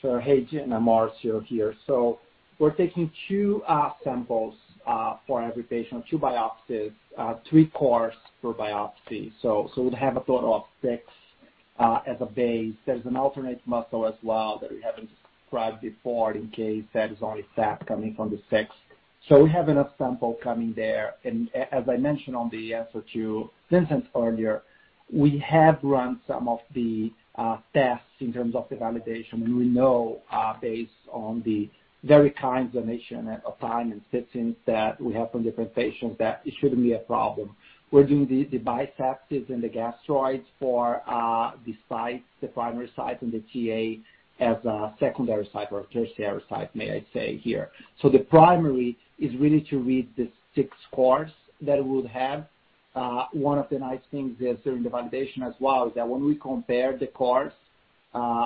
Speaker 4: Sure. Hey, Gena. Marcio here. We're taking two samples for every patient, two biopsies, three cores per biopsy. We'd have a total of six as a base. There's an alternate muscle as well that we haven't described before in case there is only fat coming from the sixth. We have enough sample coming there, and as I mentioned on the answer to Vincent earlier, we have run some of the tests in terms of the validation. We know, based on the very kind donation of time and citizens that we have from different patients, that it shouldn't be a problem. We're doing the biceps and the gastrocs for the sites, the primary sites, and the TA as a secondary site or tertiary site, may I say here. The primary is really to read the six cores that it would have. One of the nice things is, during the validation as well, is that when we compare the cores,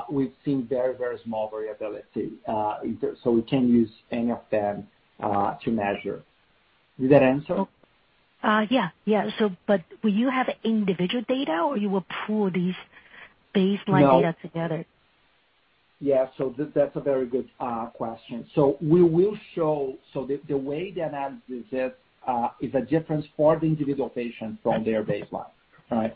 Speaker 4: we've seen very, very small variability. We can use any of them to measure. Did that answer?
Speaker 12: Yeah. Will you have individual data, or you will pool these baseline data together?
Speaker 4: Yeah. That's a very good question. The way the analysis is a difference for the individual patient from their baseline. Right.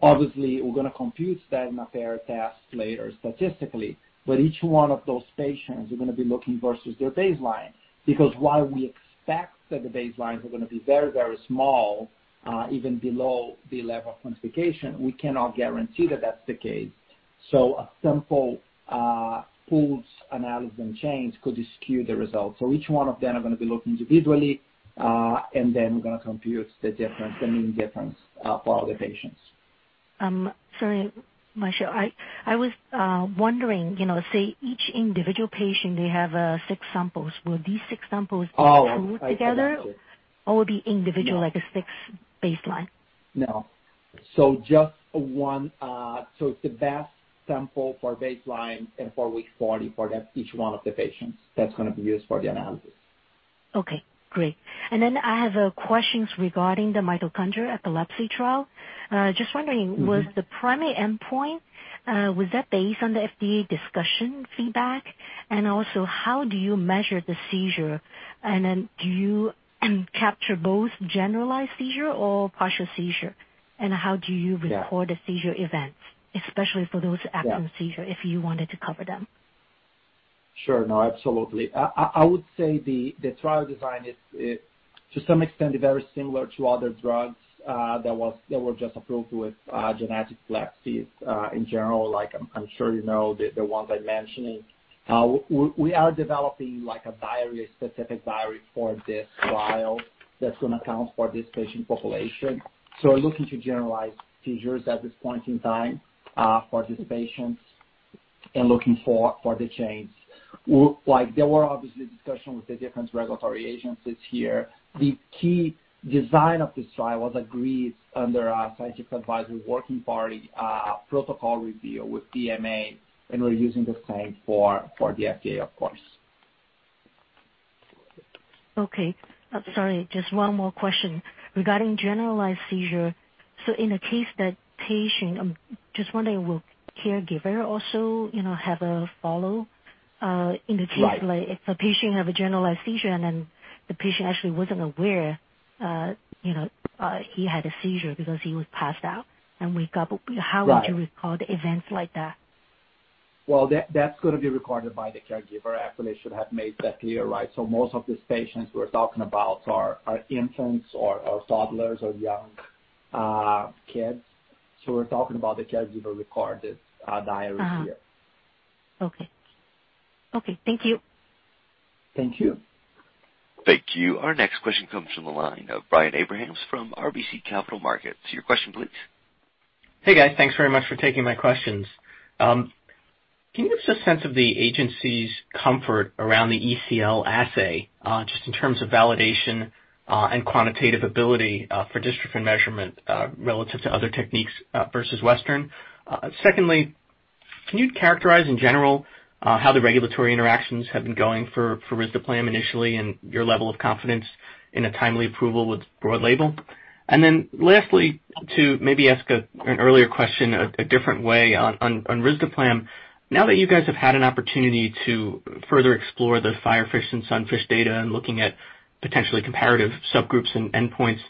Speaker 4: Obviously, we're going to compute that in a fair test later, statistically. Each one of those patients, we're going to be looking versus their baseline. Because while we expect that the baselines are going to be very, very small, even below the level of quantification, we cannot guarantee that that's the case. A simple pooled analysis and change could skew the results. Each one of them are going to be looked individually, and then we're going to compute the mean difference for all the patients.
Speaker 12: Sorry, Marcio. I was wondering, say, each individual patient, they have six samples. Will these six samples be pooled together?
Speaker 4: Oh, I see.
Speaker 12: Will be individual, like a six baseline?
Speaker 4: No. It's the best sample for baseline and for week 40 for each one of the patients. That's going to be used for the analysis.
Speaker 12: Okay, great. I have questions regarding the mitochondrial epilepsy trial. Just wondering. Was the primary endpoint, was that based on the FDA discussion feedback? Also, how do you measure the seizure? Then do you capture both generalized seizure or partial seizure?
Speaker 4: Yeah
Speaker 12: record the seizure events, especially for those absent-
Speaker 4: Yeah
Speaker 12: seizure, if you wanted to cover them?
Speaker 4: Sure. No, absolutely. I would say the trial design is, to some extent, very similar to other drugs that were just approved with genetic epilepsies in general, like I'm sure you know the ones I'm mentioning. We are developing a specific diary for this trial that's going to count for this patient population. We're looking to generalize seizures at this point in time for these patients and looking for the change. There were obviously discussions with the different regulatory agencies here. The key design of this trial was agreed under our Scientific Advice Working Party protocol review with EMA, and we're using the same for the FDA, of course.
Speaker 12: Okay. Sorry, just one more question. Regarding generalized seizure, in a case that, just wondering, will caregiver also have a follow?
Speaker 4: Right
Speaker 12: If a patient has a generalized seizure, and then the patient actually wasn't aware he had a seizure because he was passed out and woke up.
Speaker 4: Right.
Speaker 12: How would you record events like that?
Speaker 4: That's going to be recorded by the caregiver. Actually, I should have made that clear, right? Most of these patients we're talking about are infants or toddlers or young kids. We're talking about the caregiver-recorded diary here.
Speaker 12: Okay. Thank you.
Speaker 4: Thank you.
Speaker 1: Thank you. Our next question comes from the line of Brian Abrahams from RBC Capital Markets. Your question, please.
Speaker 13: Hey, guys. Thanks very much for taking my questions. Can you give us a sense of the agency's comfort around the ECL assay, just in terms of validation and quantitative ability for dystrophin measurement relative to other techniques versus Western? Secondly, can you characterize, in general, how the regulatory interactions have been going for risdiplam initially and your level of confidence in a timely approval with broad label? Lastly, to maybe ask an earlier question a different way on risdiplam. Now that you guys have had an opportunity to further explore the FIREFISH and SUNFISH data and looking at potentially comparative subgroups and endpoints,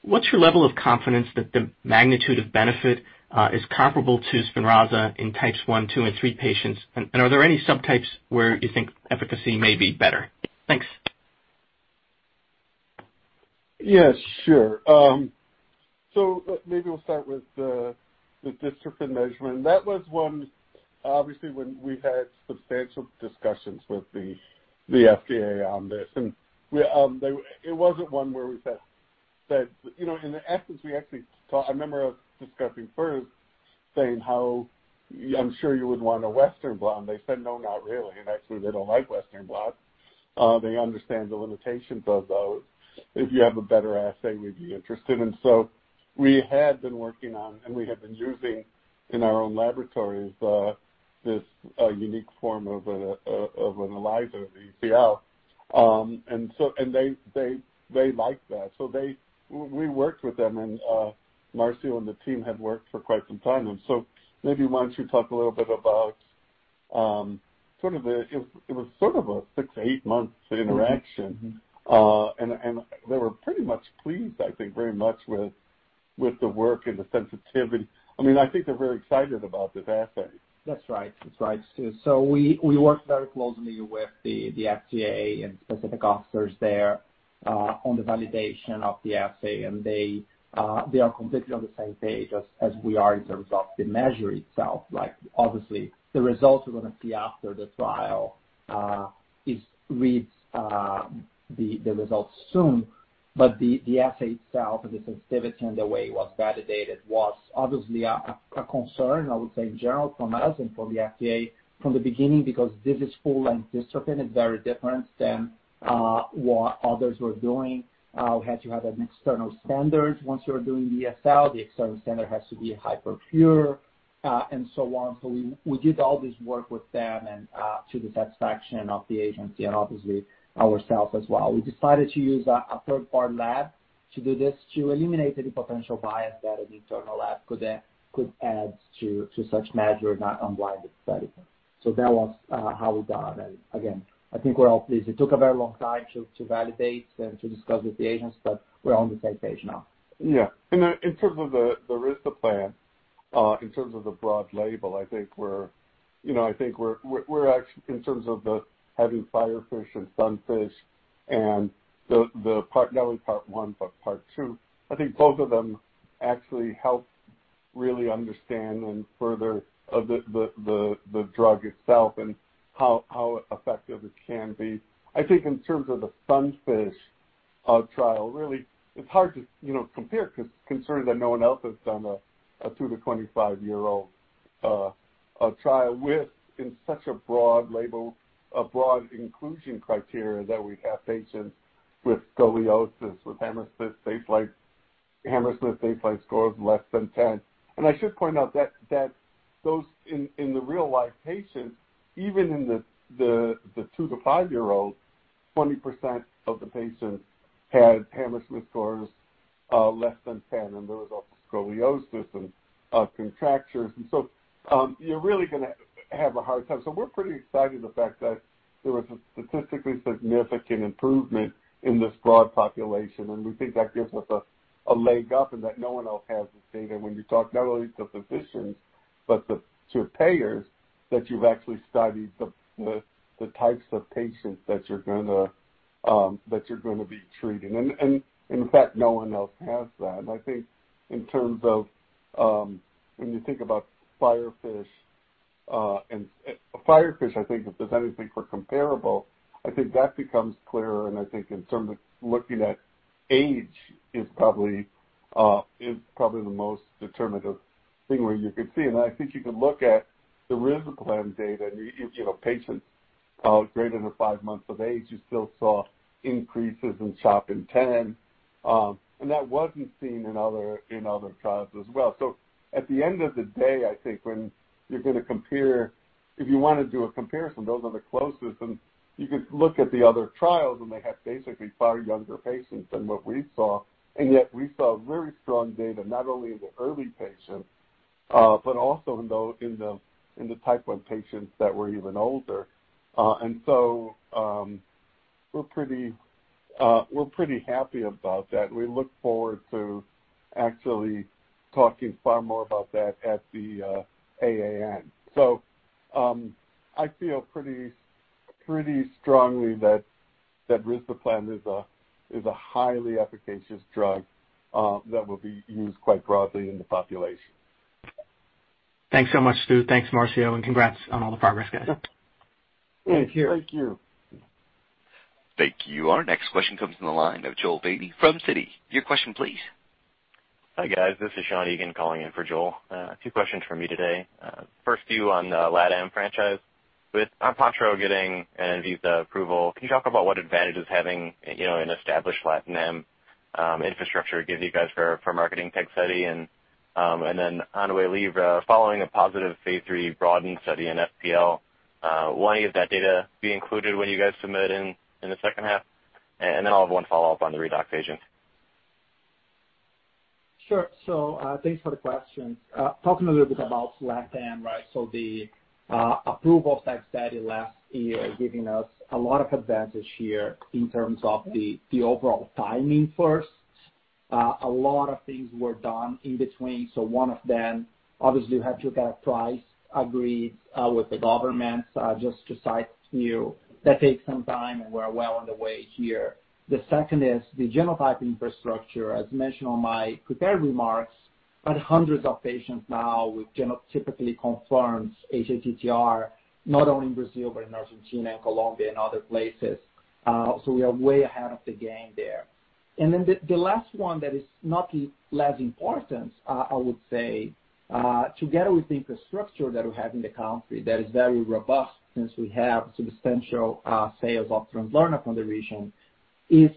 Speaker 13: what's your level of confidence that the magnitude of benefit is comparable to SPINRAZA in types one, two, and three patients? Are there any subtypes where you think efficacy may be better? Thanks.
Speaker 3: Yes, sure. Maybe we'll start with the dystrophin measurement. That was one, obviously, when we had substantial discussions with the FDA on this, and it wasn't one where That, in essence, I remember us discussing first saying how I'm sure you would want a Western blot. They said, "No, not really." Actually, they don't like Western blots. They understand the limitations of those. If you have a better assay, we'd be interested. We had been working on, and we had been using in our own laboratories, this unique form of an ELISA, the ECL. They liked that. We worked with them, and Marcio and the team had worked for quite some time. Maybe why don't you talk a little bit about, it was sort of a six to eight months interaction. They were pretty much pleased, I think very much with the work and the sensitivity. I think they're very excited about this assay.
Speaker 4: That's right, Stu. We worked very closely with the FDA and specific officers there on the validation of the assay. They are completely on the same page as we are in terms of the measure itself. Obviously, the results we're going to see after the trial is read the results soon. The assay itself, the sensitivity and the way it was validated was obviously a concern, I would say, in general, from us and from the FDA from the beginning, because this is full length dystrophin. It's very different than what others were doing. Had to have an external standard. Once you're doing the ECL, the external standard has to be hyper-pure, and so on. We did all this work with them and to the satisfaction of the agency and obviously ourselves as well. We decided to use a third-party lab to do this to eliminate any potential bias that an internal lab could add to such measure, not unblinded study. That was how we got on it. Again, I think we're all pleased. It took a very long time to validate and to discuss with the agents, but we're on the same page now.
Speaker 3: Yeah. In terms of the risdiplam, in terms of the broad label, I think we're actually, in terms of the having FIREFISH and SUNFISH and not only part one, but part two, I think both of them actually help really understand and further the drug itself and how effective it can be. I think in terms of the SUNFISH trial, really, it's hard to compare because no one else has done a two to 25-year-old trial with, in such a broad label, a broad inclusion criteria that we have patients with scoliosis, with Hammersmith Scale scores less than 10. I should point out that those in the real-life patients, even in the two to five-year-olds, 20% of the patients had Hammersmith scores less than 10, and the result was scoliosis and contractures. You're really going to have a hard time. We're pretty excited the fact that there was a statistically significant improvement in this broad population, and we think that gives us a leg up and that no one else has this data when you talk not only to physicians, but to payers, that you've actually studied the types of patients that you're going to be treating. In fact, no one else has that. I think in terms of when you think about FIREFISH, I think if there's anything for comparable, I think that becomes clearer, and I think in terms of looking at age is probably the most determinative thing where you could see. I think you could look at the risdiplam data and patients greater than 5 months of age, you still saw increases in CHOP INTEND, and that wasn't seen in other trials as well. At the end of the day, I think when you're going to compare, if you want to do a comparison, those are the closest, and you could look at the other trials, and they have basically far younger patients than what we saw, and yet we saw very strong data, not only in the early patients, but also in the type 1 patients that were even older. We're pretty happy about that. We look forward to actually talking far more about that at the AAN. I feel pretty strongly that risdiplam is a highly efficacious drug that will be used quite broadly in the population.
Speaker 13: Thanks so much, Stu. Thanks, Marcio, and congrats on all the progress, guys.
Speaker 3: Thank you.
Speaker 4: Thank you.
Speaker 1: Thank you. Our next question comes from the line of Joel Beatty from Citi. Your question, please.
Speaker 14: Hi, guys. This is Sean Egan calling in for Joel. Two questions from me today. First two on the Lat Am franchise. With Pamparao getting an Anvisa approval, can you talk about what advantages having an established Lat Am infrastructure gives you guys for marketing Tegsedi? On WAYLIVRA, following a positive phase III BROADEN study in FPL, will any of that data be included when you guys submit in the second half? I'll have one follow-up on the Redox agent.
Speaker 4: Sure. Thanks for the question. Talking a little bit about Lat Am, right? The approval of Tegsedi last year, giving us a lot of advantage here in terms of the overall timing first. A lot of things were done in between. One of them, obviously, we had to get a price agreed with the government just to sign new. That takes some time, and we're well on the way here. The second is the genotype infrastructure. As mentioned on my prepared remarks. Hundreds of patients now with genotypically confirmed hATTR, not only in Brazil but in Argentina and Colombia and other places. We are way ahead of the game there. The last one that is not less important, I would say, together with the infrastructure that we have in the country that is very robust since we have substantial sales of Translarna from the region, is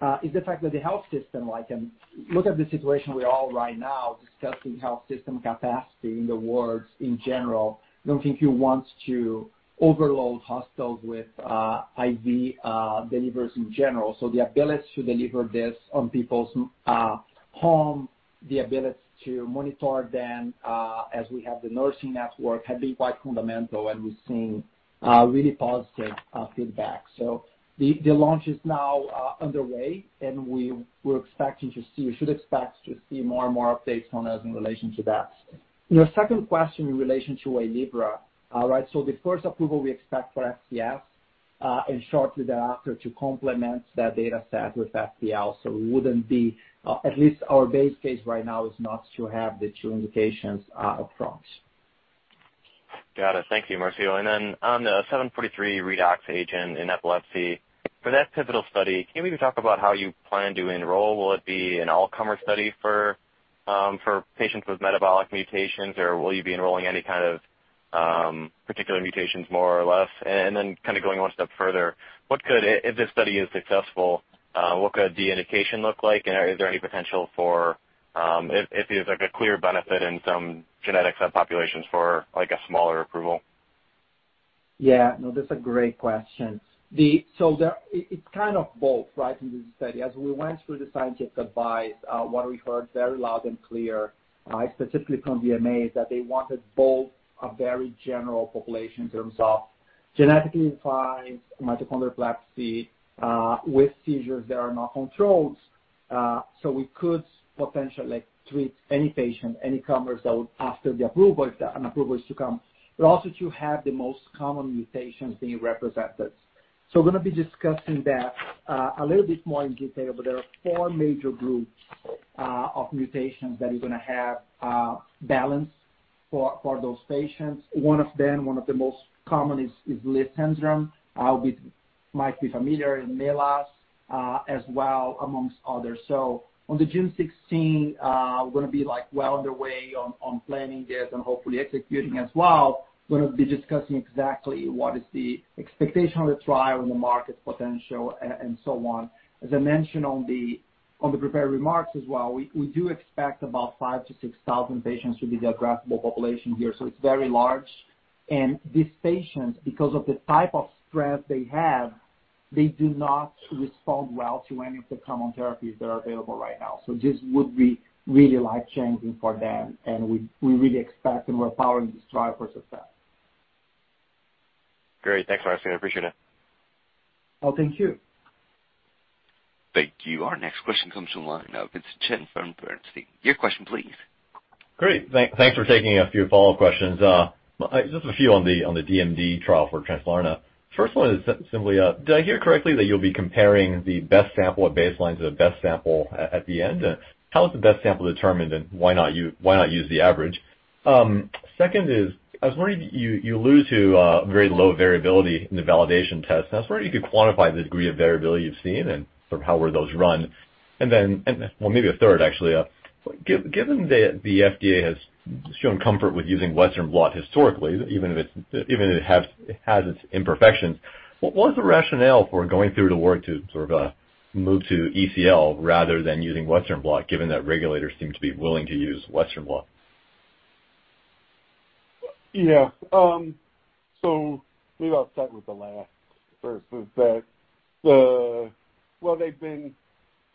Speaker 4: the fact that the health system, I can look at the situation we're all right now discussing health system capacity in the world in general. I don't think you want to overload hospitals with IV deliveries in general. The ability to deliver this on people's home, the ability to monitor them, as we have the nursing network, has been quite fundamental, and we're seeing really positive feedback. The launch is now underway, and we should expect to see more and more updates from us in relation to that. Your second question in relation to WAYLIVRA. The first approval we expect for FCS and shortly thereafter to complement that data set with FPL. We wouldn't be, at least our base case right now is not to have the two indications up front.
Speaker 14: Got it. Thank you, Marcio. On the 743 redox agent in epilepsy. For that pivotal study, can you maybe talk about how you plan to enroll? Will it be an all-comer study for patients with metabolic mutations, or will you be enrolling any kind of particular mutations, more or less? Going one step further, if this study is successful, what could the indication look like? Is there any potential for, if there's a clear benefit in some genetic subpopulations for a smaller approval?
Speaker 4: Yeah. No, that's a great question. It's kind of both in this study. As we went through the scientific advice, what we heard very loud and clear, specifically from the EMA, is that they wanted both a very general population in terms of genetically defined mitochondrial epilepsy with seizures that are not controlled. We could potentially treat any patient, any comers after the approval, if an approval is to come, but also to have the most common mutations being represented. We're going to be discussing that a little bit more in detail, but there are four major groups of mutations that is going to have a balance for those patients. One of them, one of the most common, is Leigh syndrome, might be familiar in MELAS, as well amongst others. On the June 16th, we're going to be well on the way on planning this and hopefully executing as well. We're going to be discussing exactly what is the expectation of the trial and the market potential and so on. As I mentioned on the prepared remarks as well, we do expect about 5,000-6,000 patients to be the addressable population here, so it's very large. These patients, because of the type of stress they have, they do not respond well to any of the common therapies that are available right now. This would be really life-changing for them, and we really expect and we're powering this trial for success.
Speaker 14: Great. Thanks, Marcio. I appreciate it.
Speaker 4: Oh, thank you.
Speaker 1: Thank you. Our next question comes from the line of Vincent Chen from Bernstein. Your question please.
Speaker 9: Great. Thanks for taking a few follow-up questions. Just a few on the DMD trial for Translarna. First one is simply, did I hear correctly that you'll be comparing the best sample at baseline to the best sample at the end? How is the best sample determined, and why not use the average? Second is, I was wondering, you allude to a very low variability in the validation test, and I was wondering if you could quantify the degree of variability you've seen and how were those run. Well, maybe a third actually. Given the FDA has shown comfort with using Western blot historically, even if it has its imperfections, what was the rationale for going through the work to sort of move to ECL rather than using Western blot, given that regulators seem to be willing to use Western blot?
Speaker 3: Yeah. Maybe I'll start with the last first, is that while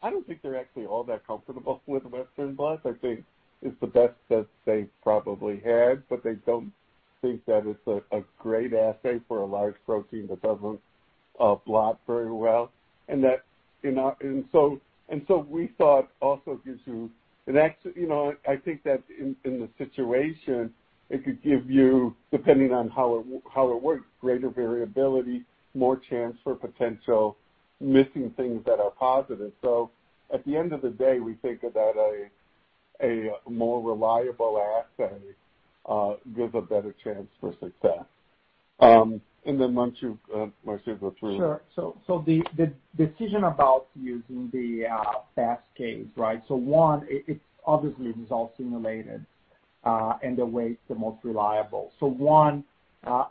Speaker 3: I don't think they're actually all that comfortable with Western blot. I think it's the best test they probably had, but they don't think that it's a great assay for a large protein that doesn't blot very well. We thought also it gives you, I think that in the situation, it could give you, depending on how it works, greater variability, more chance for potential missing things that are positive. At the end of the day, we think that a more reliable assay gives a better chance for success. Once you've, Marcio.
Speaker 4: Sure. The decision about using the FAST cage, one, it's obviously result simulated, and the way it's the most reliable. One,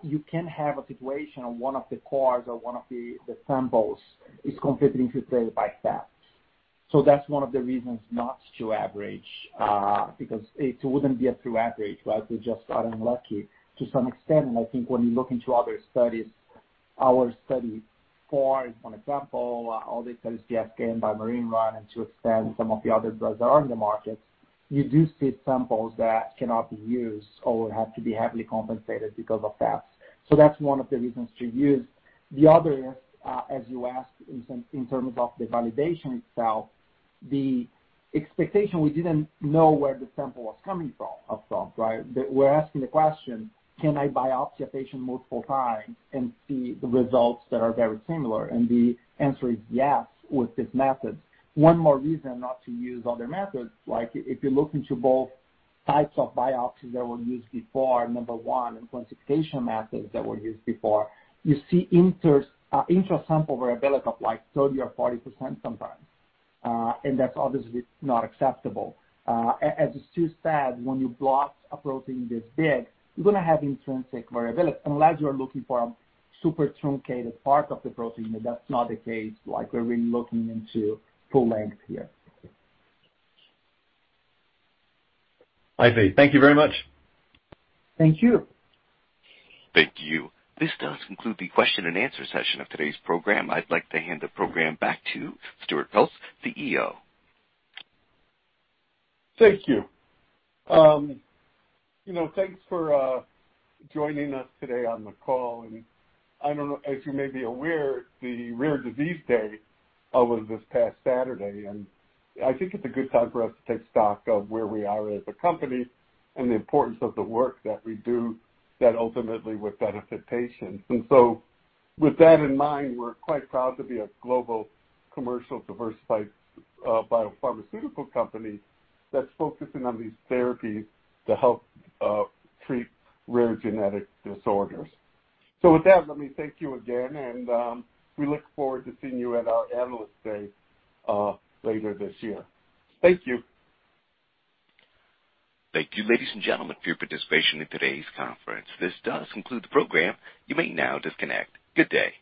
Speaker 4: you can have a situation on one of the cores or one of the samples is completely infiltrated by fat. That's one of the reasons not to average, because it wouldn't be a true average. We just got unlucky to some extent. I think when you look into other studies, our study cores, for example, all the studies gave gain by Marine Ron, and to extend some of the other drugs that are in the market, you do see samples that cannot be used or have to be heavily compensated because of that. That's one of the reasons to use. The other is, as you asked in terms of the validation itself, the expectation, we didn't know where the sample was coming from. We're asking the question, can I biopsy a patient multiple times and see the results that are very similar? The answer is yes with this method. One more reason not to use other methods, like if you look into both types of biopsies that were used before, number one, and quantification methods that were used before, you see intra-sample variability of 30% or 40% sometimes. That's obviously not acceptable. As Stu said, when you blot a protein this big, you're going to have intrinsic variability unless you're looking for a super truncated part of the protein, but that's not the case, like we're really looking into full length here.
Speaker 9: I see. Thank you very much.
Speaker 4: Thank you.
Speaker 1: Thank you. This does conclude the question and answer session of today's program. I'd like to hand the program back to Stuart Peltz, the CEO.
Speaker 3: Thank you. Thanks for joining us today on the call. I don't know, as you may be aware, Rare Disease Day was this past Saturday, and I think it's a good time for us to take stock of where we are as a company and the importance of the work that we do that ultimately would benefit patients. With that in mind, we're quite proud to be a global commercial diversified biopharmaceutical company that's focusing on these therapies to help treat rare genetic disorders. With that, let me thank you again, and we look forward to seeing you at our Analyst Day later this year. Thank you.
Speaker 1: Thank you, ladies and gentlemen, for your participation in today's conference. This does conclude the program. You may now disconnect. Good day.